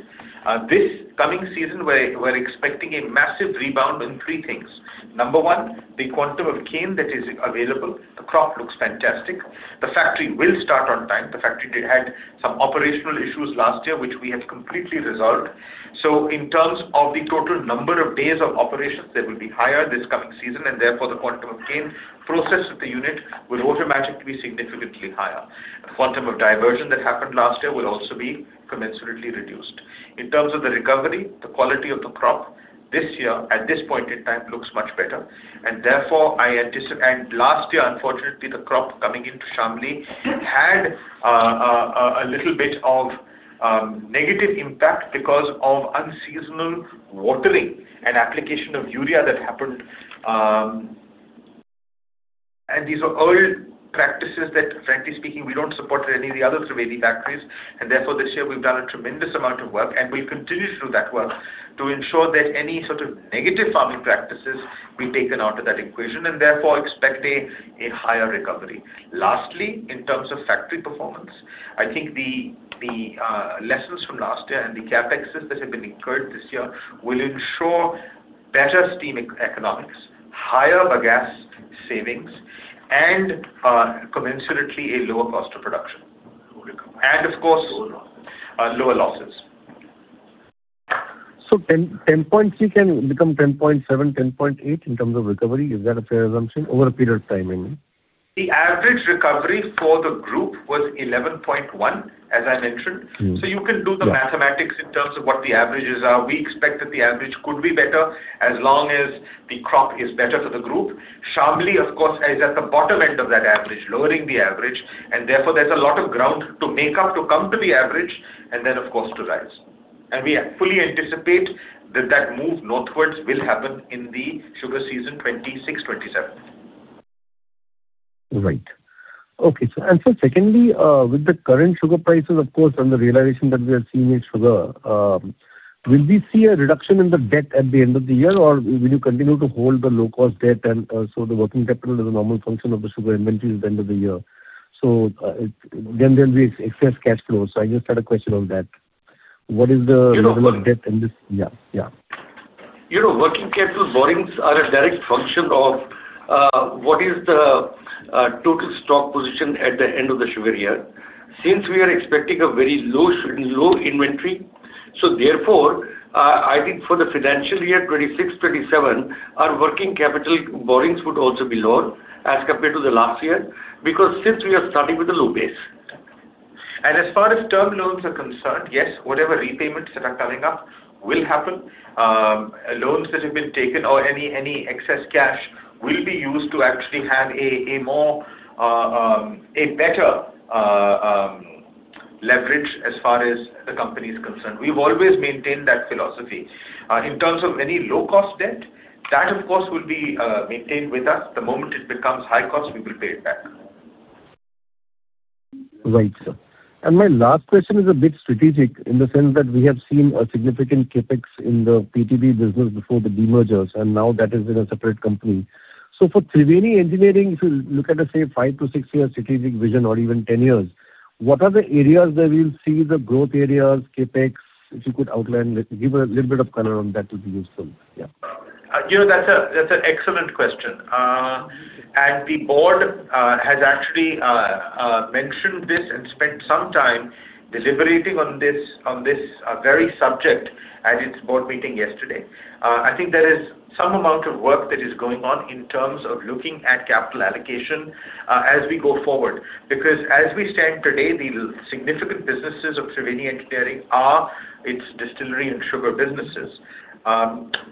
This coming season, we're expecting a massive rebound in three things. Number one, the quantum of cane that is available, the crop looks fantastic. The factory will start on time. The factory had some operational issues last year, which we have completely resolved. In terms of the total number of days of operations, they will be higher this coming season and therefore the quantum of cane processed at the unit will automatically be significantly higher. The quantum of diversion that happened last year will also be commensurately reduced. In terms of the recovery, the quality of the crop this year, at this point in time, looks much better. Last year, unfortunately, the crop coming into Shamli had a little bit of negative impact because of unseasonal watering and application of urea that happened. These are old practices that, frankly speaking, we don't support at any of the other Triveni factories. Therefore, this year we've done a tremendous amount of work, and we'll continue to do that work to ensure that any sort of negative farming practices be taken out of that equation, and therefore, expect a higher recovery. Lastly, in terms of factory performance, I think the lessons from last year and the CapExes that have been incurred this year will ensure better steam economics, higher bagasse savings, and commensurately a lower cost of production. Lower recovery. Of course. Lower losses Lower losses. 10.3 can become 10.7, 10.8 in terms of recovery. Is that a fair assumption, over a period of time I mean? The average recovery for the group was 11.1, as I mentioned. Mm-hmm. Yeah. You can do the mathematics in terms of what the averages are. We expect that the average could be better as long as the crop is better for the group. Shamli, of course, is at the bottom end of that average, lowering the average, and therefore, there's a lot of ground to make up to come to the average, and then, of course, to rise. We fully anticipate that that move northwards will happen in the sugar season 2026/2027. Right. Okay, sir. Sir, secondly, with the current sugar prices, of course, and the realization that we are seeing in sugar, will we see a reduction in the debt at the end of the year, or will you continue to hold the low-cost debt and also the working capital as a normal function of the sugar inventory at the end of the year? Then there'll be excess cash flow. I just had a question on that. What is the level? You know. of debt in this? Yeah. You know, working capital borrowings are a direct function of what is the total stock position at the end of the sugar year. Since we are expecting a very low inventory, therefore, I think for the financial year 2026/2027, our working capital borrowings would also be lower as compared to the last year, because since we are starting with a low base. As far as term loans are concerned, yes, whatever repayments that are coming up will happen. Loans that have been taken or any excess cash will be used to actually have a better leverage as far as the company is concerned. We've always maintained that philosophy. In terms of any low-cost debt, that of course, will be maintained with us. The moment it becomes high cost, we will pay it back. Right, sir. My last question is a bit strategic in the sense that we have seen a significant CapEx in the PTB business before the demergers, and now that is in a separate company. For Triveni Engineering, if you look at a, say, five to six-year strategic vision or even 10 years, what are the areas that we'll see the growth areas, CapEx? If you could outline, give a little bit of color on that would be useful. Yeah. That's an excellent question. The board has actually mentioned this and spent some time deliberating on this very subject at its board meeting yesterday. I think there is some amount of work that is going on in terms of looking at capital allocation as we go forward. As we stand today, the significant businesses of Triveni Engineering are its distillery and sugar businesses.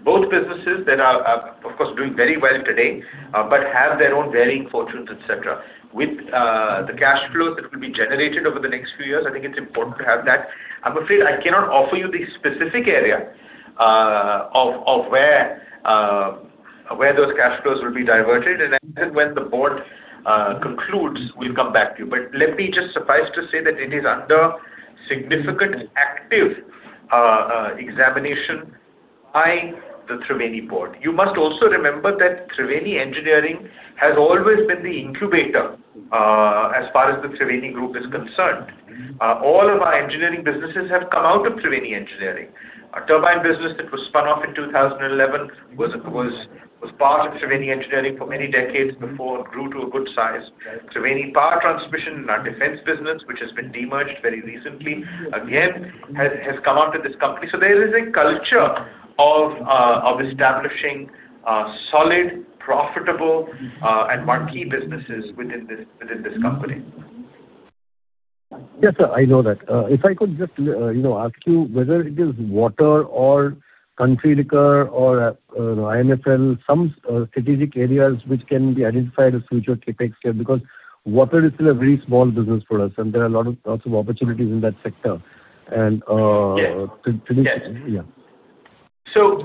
Both businesses that are, of course, doing very well today, but have their own varying fortunes, et cetera. With the cash flows that will be generated over the next few years, I think it's important to have that. I'm afraid I cannot offer you the specific area of where those cash flows will be diverted, and when the board concludes, we'll come back to you. Let me just suffice to say that it is under significant active examination by the Triveni board. You must also remember that Triveni Engineering has always been the incubator as far as the Triveni group is concerned. All of our engineering businesses have come out of Triveni Engineering. Our turbine business that was spun off in 2011 was part of Triveni Engineering for many decades before it grew to a good size. Right. Triveni Power Transmission, our defense business, which has been demerged very recently, again, has come out of this company. There is a culture of establishing solid, profitable, and marquee businesses within this company. Yes, sir. I know that. If I could just ask you whether it is water or country liquor or IMFL, some strategic areas which can be identified as future CapEx here, because water is still a very small business for us, and there are lots of opportunities in that sector. Yes. Yeah. So-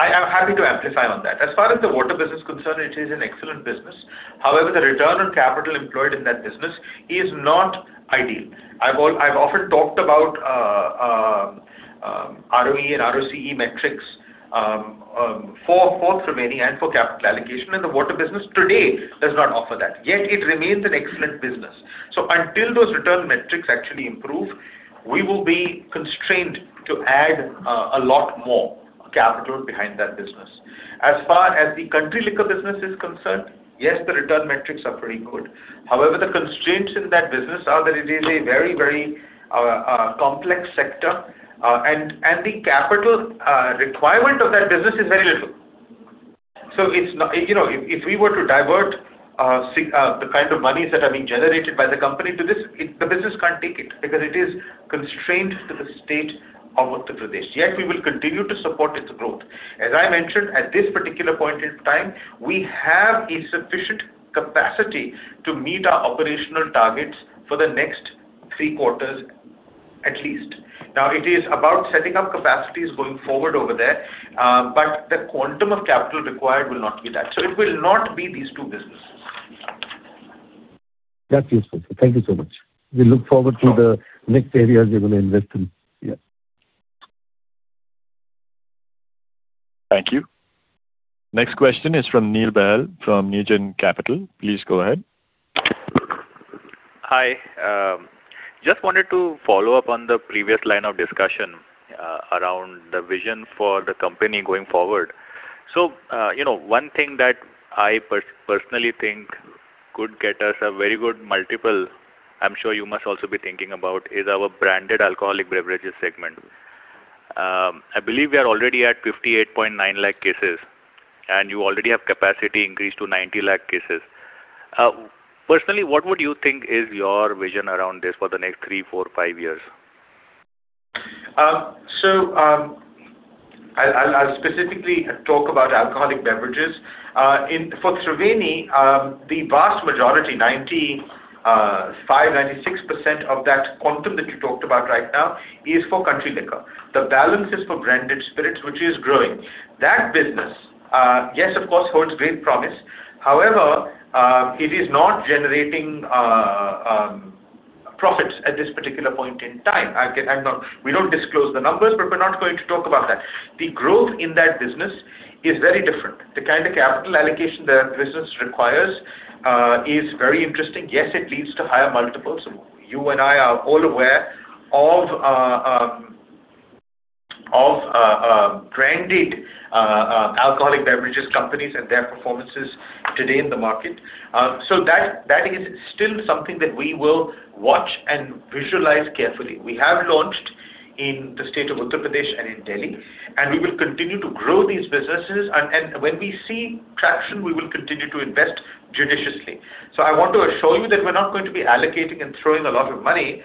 2050, yeah I am happy to amplify on that. As far as the water business is concerned, it is an excellent business. However, the return on capital employed in that business is not ideal. I've often talked about ROE and ROCE metrics for Triveni and for capital allocation, and the water business today does not offer that, yet it remains an excellent business. Until those return metrics actually improve, we will be constrained to add a lot more capital behind that business. As far as the country liquor business is concerned, yes, the return metrics are pretty good. However, the constraints in that business are that it is a very complex sector, and the capital requirement of that business is very little. If we were to divert the kind of monies that are being generated by the company to this, the business can't take it because it is constrained to the state of Uttar Pradesh. Yet we will continue to support its growth. As I mentioned, at this particular point in time, we have a sufficient capacity to meet our operational targets for the next three quarters at least. Now it is about setting up capacities going forward over there, but the quantum of capital required will not be that. It will not be these two businesses. That's useful, sir. Thank you so much. We look forward to the next areas you're going to invest in. Yeah. Thank you. Next question is from Neil Bahl from Negen Capital. Please go ahead. Hi. Just wanted to follow up on the previous line of discussion around the vision for the company going forward. One thing that I personally think could get us a very good multiple, I'm sure you must also be thinking about, is our branded alcoholic beverages segment. I believe we are already at 58.9 lakh cases, and you already have capacity increased to 90 lakh cases. Personally, what would you think is your vision around this for the next three, four, five years? I'll specifically talk about alcoholic beverages. For Triveni, the vast majority, 95%, 96% of that quantum that you talked about right now is for country liquor. The balance is for branded spirits, which is growing. That business, yes, of course, holds great promise. However, it is not generating profits at this particular point in time. We don't disclose the numbers, but we're not going to talk about that. The growth in that business is very different. The kind of capital allocation that business requires is very interesting. Yes, it leads to higher multiples. You and I are all aware of branded alcoholic beverages companies and their performances today in the market. That is still something that we will watch and visualize carefully. We have launched in the state of Uttar Pradesh and in Delhi, and we will continue to grow these businesses, and when we see traction, we will continue to invest judiciously. I want to assure you that we're not going to be allocating and throwing a lot of money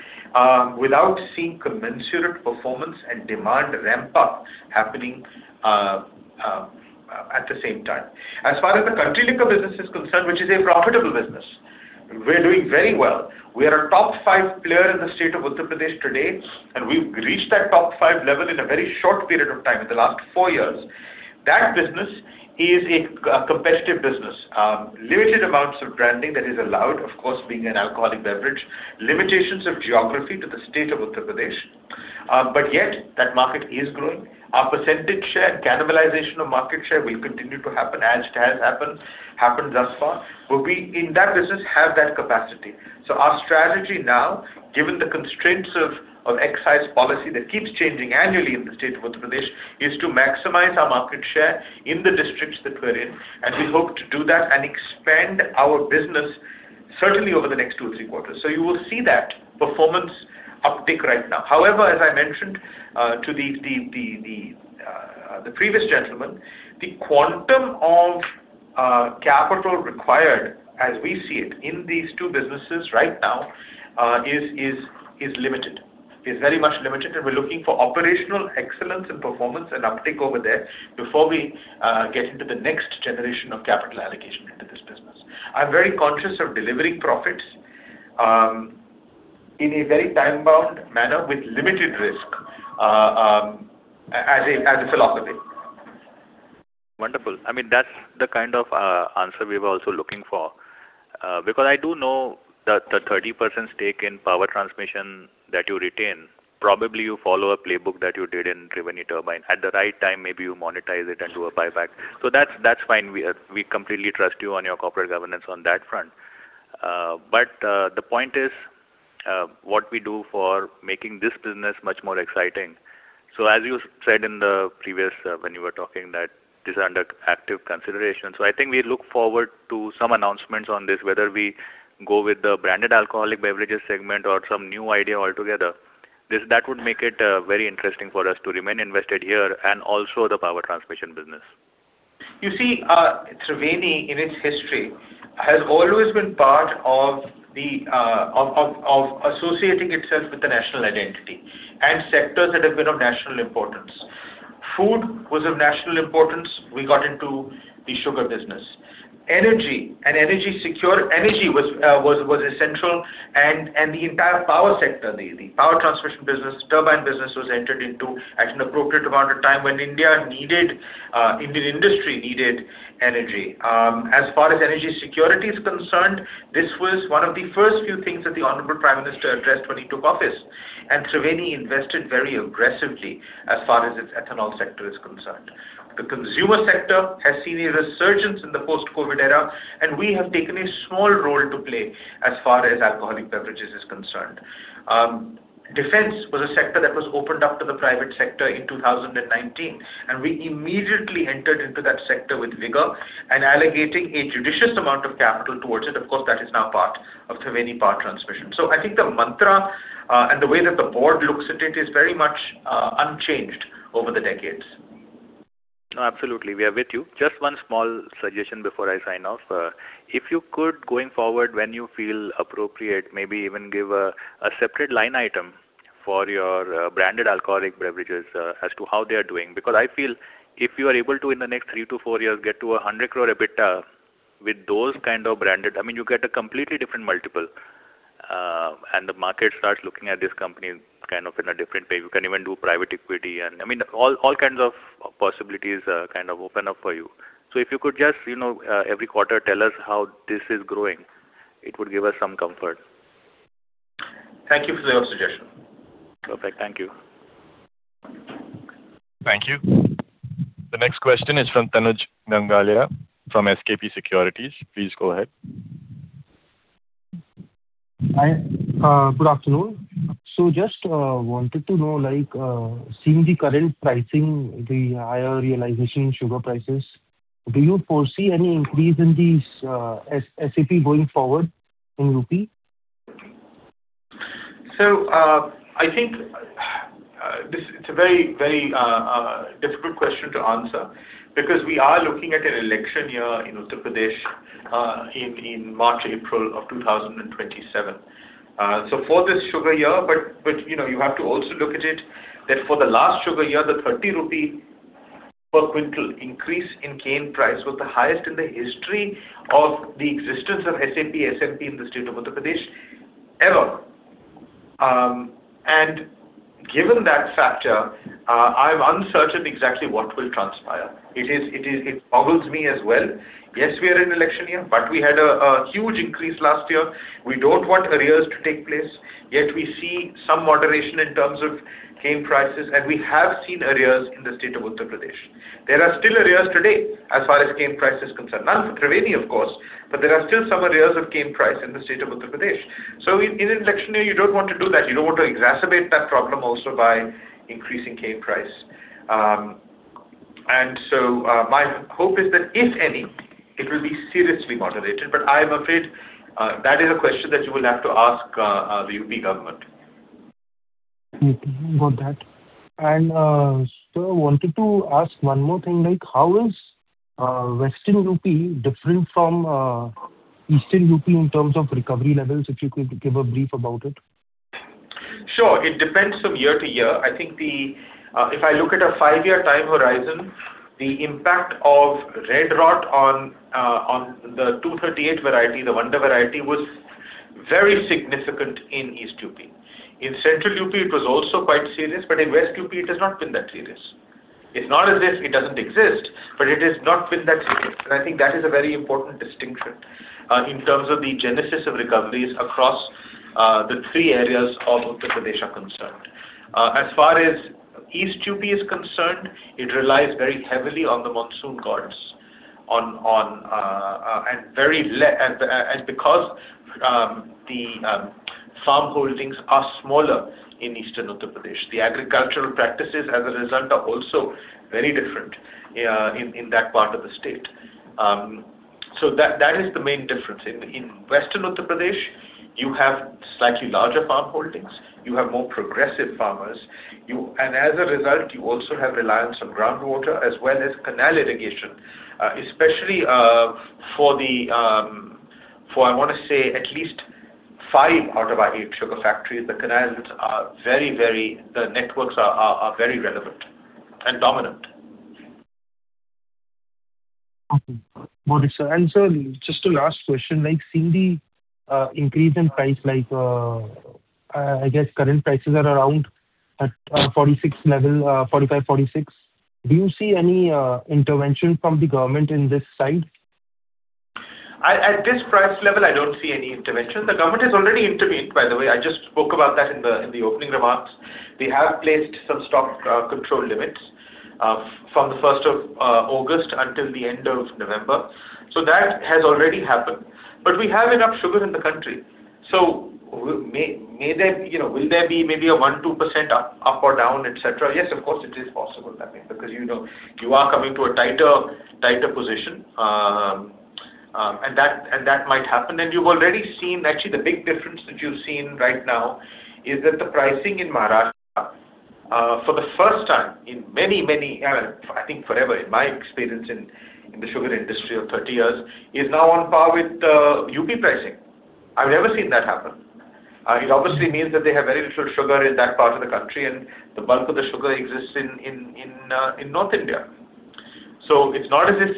without seeing commensurate performance and demand ramp-up happening at the same time. As far as the country liquor business is concerned, which is a profitable business, we're doing very well. We are a top five player in the state of Uttar Pradesh today, and we've reached that top five level in a very short period of time, in the last four years. That business is a competitive business. Limited amounts of branding that is allowed, of course, being an alcoholic beverage, limitations of geography to the state of Uttar Pradesh. Yet, that market is growing. Our percentage share, cannibalization of market share will continue to happen as it has happened thus far. We, in that business, have that capacity. Our strategy now, given the constraints of excise policy that keeps changing annually in the state of Uttar Pradesh, is to maximize our market share in the districts that we're in. We hope to do that and expand our business certainly over the next two or three quarters. You will see that performance uptick right now. However, as I mentioned to the previous gentleman, the quantum of capital required as we see it in these two businesses right now is limited. Is very much limited, and we're looking for operational excellence in performance and uptick over there before we get into the next generation of capital allocation into this business. I'm very conscious of delivering profits in a very time-bound manner with limited risk as a philosophy. Wonderful. That's the kind of answer we were also looking for. I do know that the 30% stake in power transmission that you retain, probably you follow a playbook that you did in Triveni Turbine. At the right time, maybe you monetize it and do a buyback. That's fine. We completely trust you on your corporate governance on that front. The point is, what we do for making this business much more exciting. As you said in the previous, when you were talking that this is under active consideration. I think we look forward to some announcements on this, whether we go with the branded alcoholic beverages segment or some new idea altogether. That would make it very interesting for us to remain invested here and also the power transmission business. You see, Triveni, in its history, has always been part of associating itself with the national identity and sectors that have been of national importance. Food was of national importance. We got into the sugar business. Energy was essential and the entire power sector, the power transmission business, turbine business was entered into at an appropriate amount of time when India needed, Indian industry needed energy. As far as energy security is concerned, this was one of the first few things that the honorable Prime Minister addressed when he took office. Triveni invested very aggressively as far as its ethanol sector is concerned. The consumer sector has seen a resurgence in the post-COVID era, and we have taken a small role to play as far as alcoholic beverages is concerned. Defense was a sector that was opened up to the private sector in 2019. We immediately entered into that sector with vigor and allocating a judicious amount of capital towards it. Of course, that is now part of Triveni Power Transmission. I think the mantra, and the way that the board looks at it is very much unchanged over the decades. No, absolutely. We are with you. Just one small suggestion before I sign off. If you could, going forward, when you feel appropriate, maybe even give a separate line item for your branded alcoholic beverages as to how they are doing. I feel if you are able to, in the next three to four years, get to 100 crore EBITDA with those kind of branded, you get a completely different multiple, and the market starts looking at this company kind of in a different way. You can even do private equity and all kinds of possibilities kind of open up for you. If you could just, every quarter tell us how this is growing, it would give us some comfort. Thank you for your suggestion. Perfect. Thank you. Thank you. The next question is from Tanuj Nangalia from SKP Securities. Please go ahead. Hi. Good afternoon. Just wanted to know, seeing the current pricing, the higher realization in sugar prices, do you foresee any increase in these SAP going forward in INR? I think it's a very difficult question to answer because we are looking at an election year in Uttar Pradesh in March, April of 2027. For this sugar year, but you have to also look at it that for the last sugar year, the 30 rupee per quintal increase in cane price was the highest in the history of the existence of SAP, SMP in the state of Uttar Pradesh ever. Given that factor, I'm uncertain exactly what will transpire. It boggles me as well. Yes, we are in election year, but we had a huge increase last year. We don't want arrears to take place, yet we see some moderation in terms of cane prices, and we have seen arrears in the state of Uttar Pradesh. There are still arrears today as far as cane price is concerned. None for Triveni, of course, but there are still some arrears of cane price in the state of Uttar Pradesh. In an election year, you don't want to do that. You don't want to exacerbate that problem also by increasing cane price. My hope is that, if any, it will be seriously moderated, but I am afraid that is a question that you will have to ask the UP government. Got that. Sir, wanted to ask one more thing. How is Western U.P. different from Eastern U.P. in terms of recovery levels? If you could give a brief about it. Sure. It depends from year to year. I think if I look at a five-year time horizon, the impact of red rot on the 238 variety, the Vanda variety, was very significant in East U.P. In Central U.P., it was also quite serious, but in West U.P., it has not been that serious. It is not as if it does not exist, but it has not been that serious, and I think that is a very important distinction in terms of the genesis of recoveries across the three areas of Uttar Pradesh are concerned. As far as East U.P. is concerned, it relies very heavily on the monsoon gods because the farm holdings are smaller in Eastern Uttar Pradesh. The agricultural practices, as a result, are also very different in that part of the state. That is the main difference. In Western Uttar Pradesh, you have slightly larger farm holdings. You have more progressive farmers. As a result, you also have reliance on groundwater as well as canal irrigation. Especially, for I want to say at least five out of our eight sugar factories, the networks are very relevant and dominant. Okay. Got it, sir. Sir, just a last question. Seeing the increase in price, I guess current prices are around at 46 level, 45-46. Do you see any intervention from the government in this side? At this price level, I don't see any intervention. The government has already intervened, by the way. I just spoke about that in the opening remarks. They have placed some stock control limits from the 1st of August until the end of November. That has already happened. We have enough sugar in the country. Will there be maybe a 1%, 2% up or down, et cetera? Yes, of course, it is possible, because you are coming to a tighter position, and that might happen. You've already seen, actually, the big difference that you've seen right now is that the pricing in Maharashtra, for the first time in many, many, I think forever, in my experience in the sugar industry of 30 years, is now on par with UP pricing. I've never seen that happen. It obviously means that they have very little sugar in that part of the country, and the bulk of the sugar exists in North India. It's not as if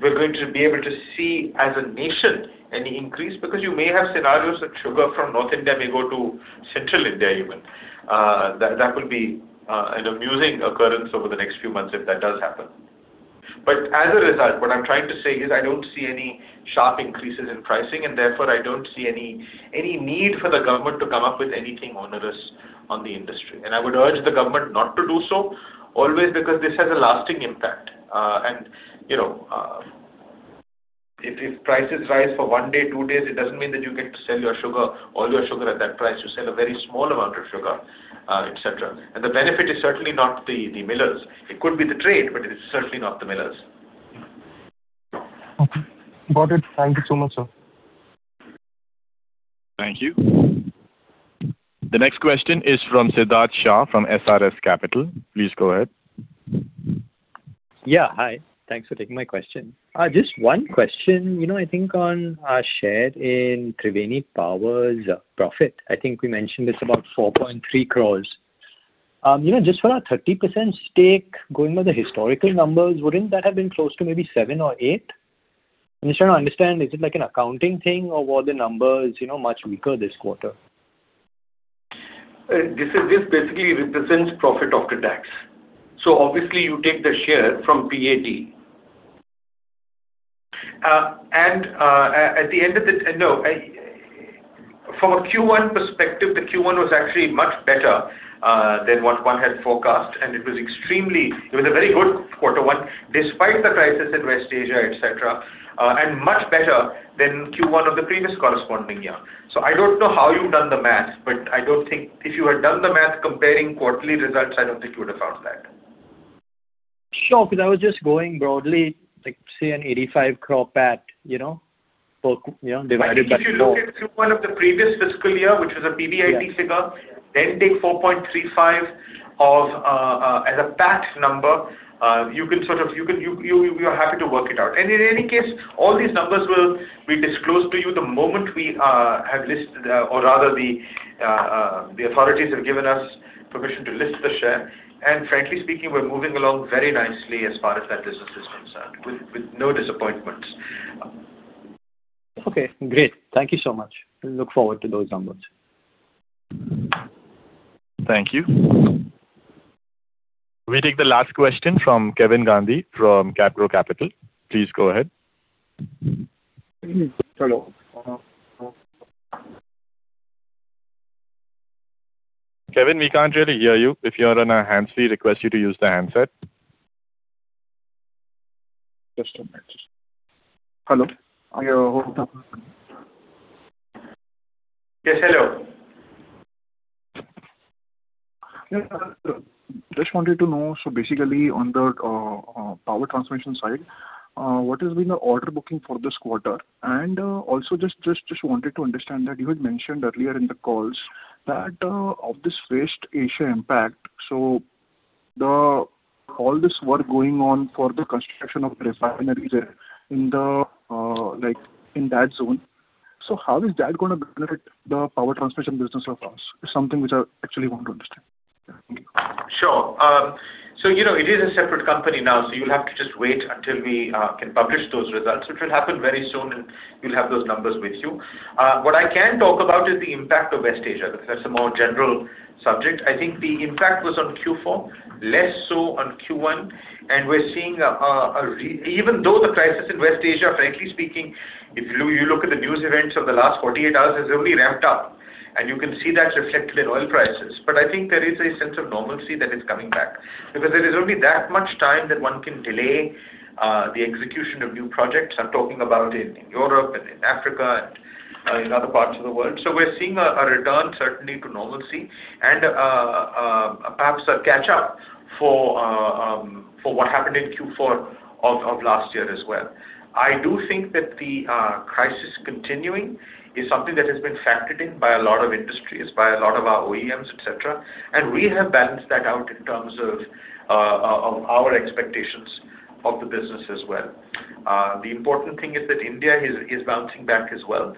we're going to be able to see, as a nation, any increase, because you may have scenarios that sugar from North India may go to Central India even. That will be an amusing occurrence over the next few months if that does happen. As a result, what I'm trying to say is, I don't see any sharp increases in pricing, and therefore, I don't see any need for the government to come up with anything onerous on the industry. I would urge the government not to do so always because this has a lasting impact. If prices rise for one day, two days, it doesn't mean that you get to sell all your sugar at that price. You sell a very small amount of sugar, et cetera. The benefit is certainly not the millers. It could be the trade, but it is certainly not the millers. Okay. Got it. Thank you so much, sir. Thank you. The next question is from Siddharth Shah of SRS Capital. Please go ahead. Yeah. Hi. Thanks for taking my question. Just one question. I think on our share in Triveni Power's profit, I think we mentioned it's about 4.3 crores. Just for our 30% stake, going by the historical numbers, wouldn't that have been close to maybe 7 crore or 8 crore? I'm just trying to understand, is it like an accounting thing or were the numbers much weaker this quarter? This basically represents profit after tax. Obviously you take the share from PAT. From a Q1 perspective, the Q1 was actually much better than what one had forecast and it was a very good quarter one, despite the crisis in West Asia, et cetera, and much better than Q1 of the previous corresponding year. I don't know how you've done the math, but I don't think if you had done the math comparing quarterly results, I don't think you would have found that. Sure. I was just going broadly, like say an 85 crore PAT. If you look at Q1 of the previous fiscal year, which was a PBIT figure, then take 4.35 crore as a PAT number, we are happy to work it out. In any case, all these numbers will be disclosed to you the moment the authorities have given us permission to list the share. Frankly speaking, we're moving along very nicely as far as that business is concerned, with no disappointments. Okay, great. Thank you so much. We look forward to those numbers. Thank you. We'll take the last question from Kevin Gandhi from CapGrow Capital. Please go ahead. Hello. Kevin, we can't really hear you. If you are on a hands-free, we request you to use the handset. Just a minute. Hello. Yes, hello. Just wanted to know, basically on the power transmission side, what has been the order booking for this quarter? Also just wanted to understand that you had mentioned earlier in the calls that, of this West Asia impact, all this work going on for the construction of refineries there in that zone. How is that going to benefit the power transmission business of ours? Is something which I actually want to understand. Sure. It is a separate company now, you'll have to just wait until we can publish those results, which will happen very soon and you'll have those numbers with you. What I can talk about is the impact of West Asia. That's a more general subject. I think the impact was on Q4, less so on Q1. Even though the crisis in West Asia, frankly speaking, if you look at the news events of the last 48 hours, has only ramped up, and you can see that reflected in oil prices. I think there is a sense of normalcy that is coming back, because there is only that much time that one can delay the execution of new projects. I'm talking about in Europe and in Africa and in other parts of the world. We're seeing a return certainly to normalcy and perhaps a catch-up for what happened in Q4 of last year as well. I do think that the crisis continuing is something that has been factored in by a lot of industries, by a lot of our OEMs, et cetera. We have balanced that out in terms of our expectations of the business as well. The important thing is that India is bouncing back as well.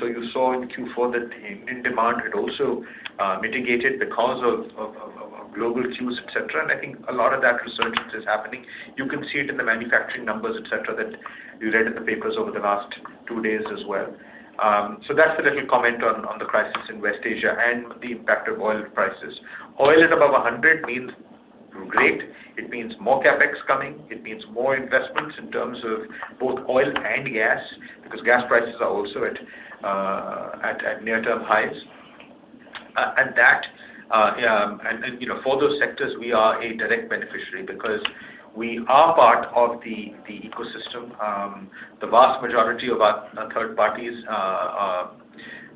You saw in Q4 that the Indian demand had also mitigated because of global cues, et cetera. I think a lot of that resurgence is happening. You can see it in the manufacturing numbers, et cetera, that you read in the papers over the last two days as well. That's the little comment on the crisis in West Asia and the impact of oil prices. Oil at above 100 means great. It means more CapEx coming. It means more investments in terms of both oil and gas, because gas prices are also at near-term highs. For those sectors, we are a direct beneficiary because we are part of the ecosystem. The vast majority of our third parties,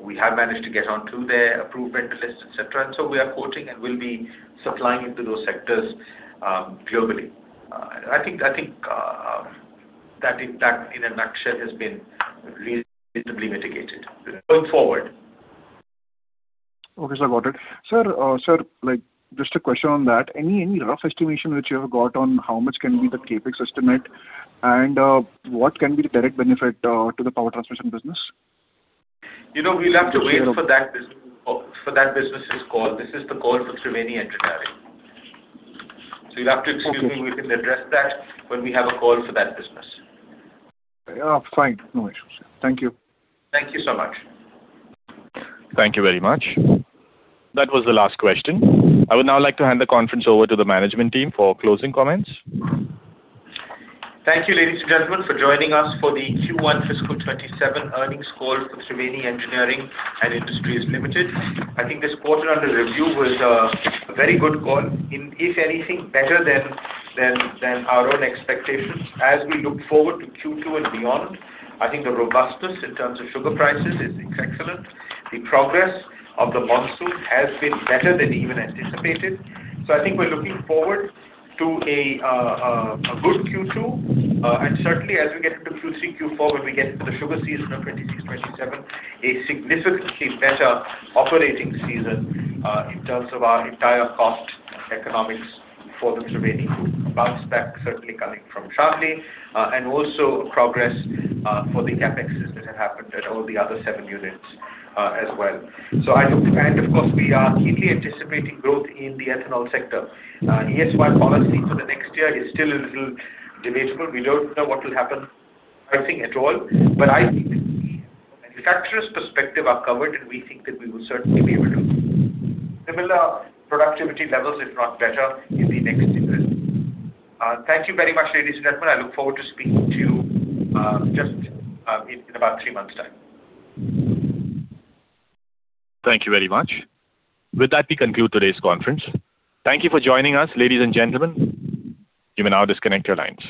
we have managed to get onto their approved vendor lists, et cetera. We are quoting and we'll be supplying into those sectors globally. I think that in a nutshell has been reasonably mitigated going forward. Okay, sir. Got it. Sir, just a question on that. Any rough estimation which you have got on how much can be the CapEx estimate, and what can be the direct benefit to the power transmission business? We'll have to wait for that business' call. This is the call for Triveni Engineering. You'll have to excuse me. We can address that when we have a call for that business. Yeah, fine. No issues. Thank you. Thank you so much. Thank you very much. That was the last question. I would now like to hand the conference over to the management team for closing comments. Thank you, ladies and gentlemen, for joining us for the Q1 fiscal 2027 earnings call for Triveni Engineering & Industries Limited. I think this quarter under review was a very good call, if anything, better than our own expectations. As we look forward to Q2 and beyond, I think the robustness in terms of sugar prices is excellent. The progress of the monsoon has been better than even anticipated. I think we're looking forward to a good Q2, and certainly as we get into Q3, Q4, when we get into the sugar season of 2026/2027, a significantly better operating season, in terms of our entire cost economics for the Triveni Group. A bounce back certainly coming from Charkhi, and also progress, for the CapExes that have happened at all the other seven units as well. Of course, we are keenly anticipating growth in the ethanol sector. Yes, while policy for the next year is still a little debatable, we don't know what will happen pricing et al. I think from a manufacturer's perspective are covered, we think that we will certainly be able to do similar productivity levels, if not better in the next interest. Thank you very much, ladies and gentlemen. I look forward to speaking to you just in about three months' time. Thank you very much. With that, we conclude today's conference. Thank you for joining us, ladies and gentlemen. You may now disconnect your lines.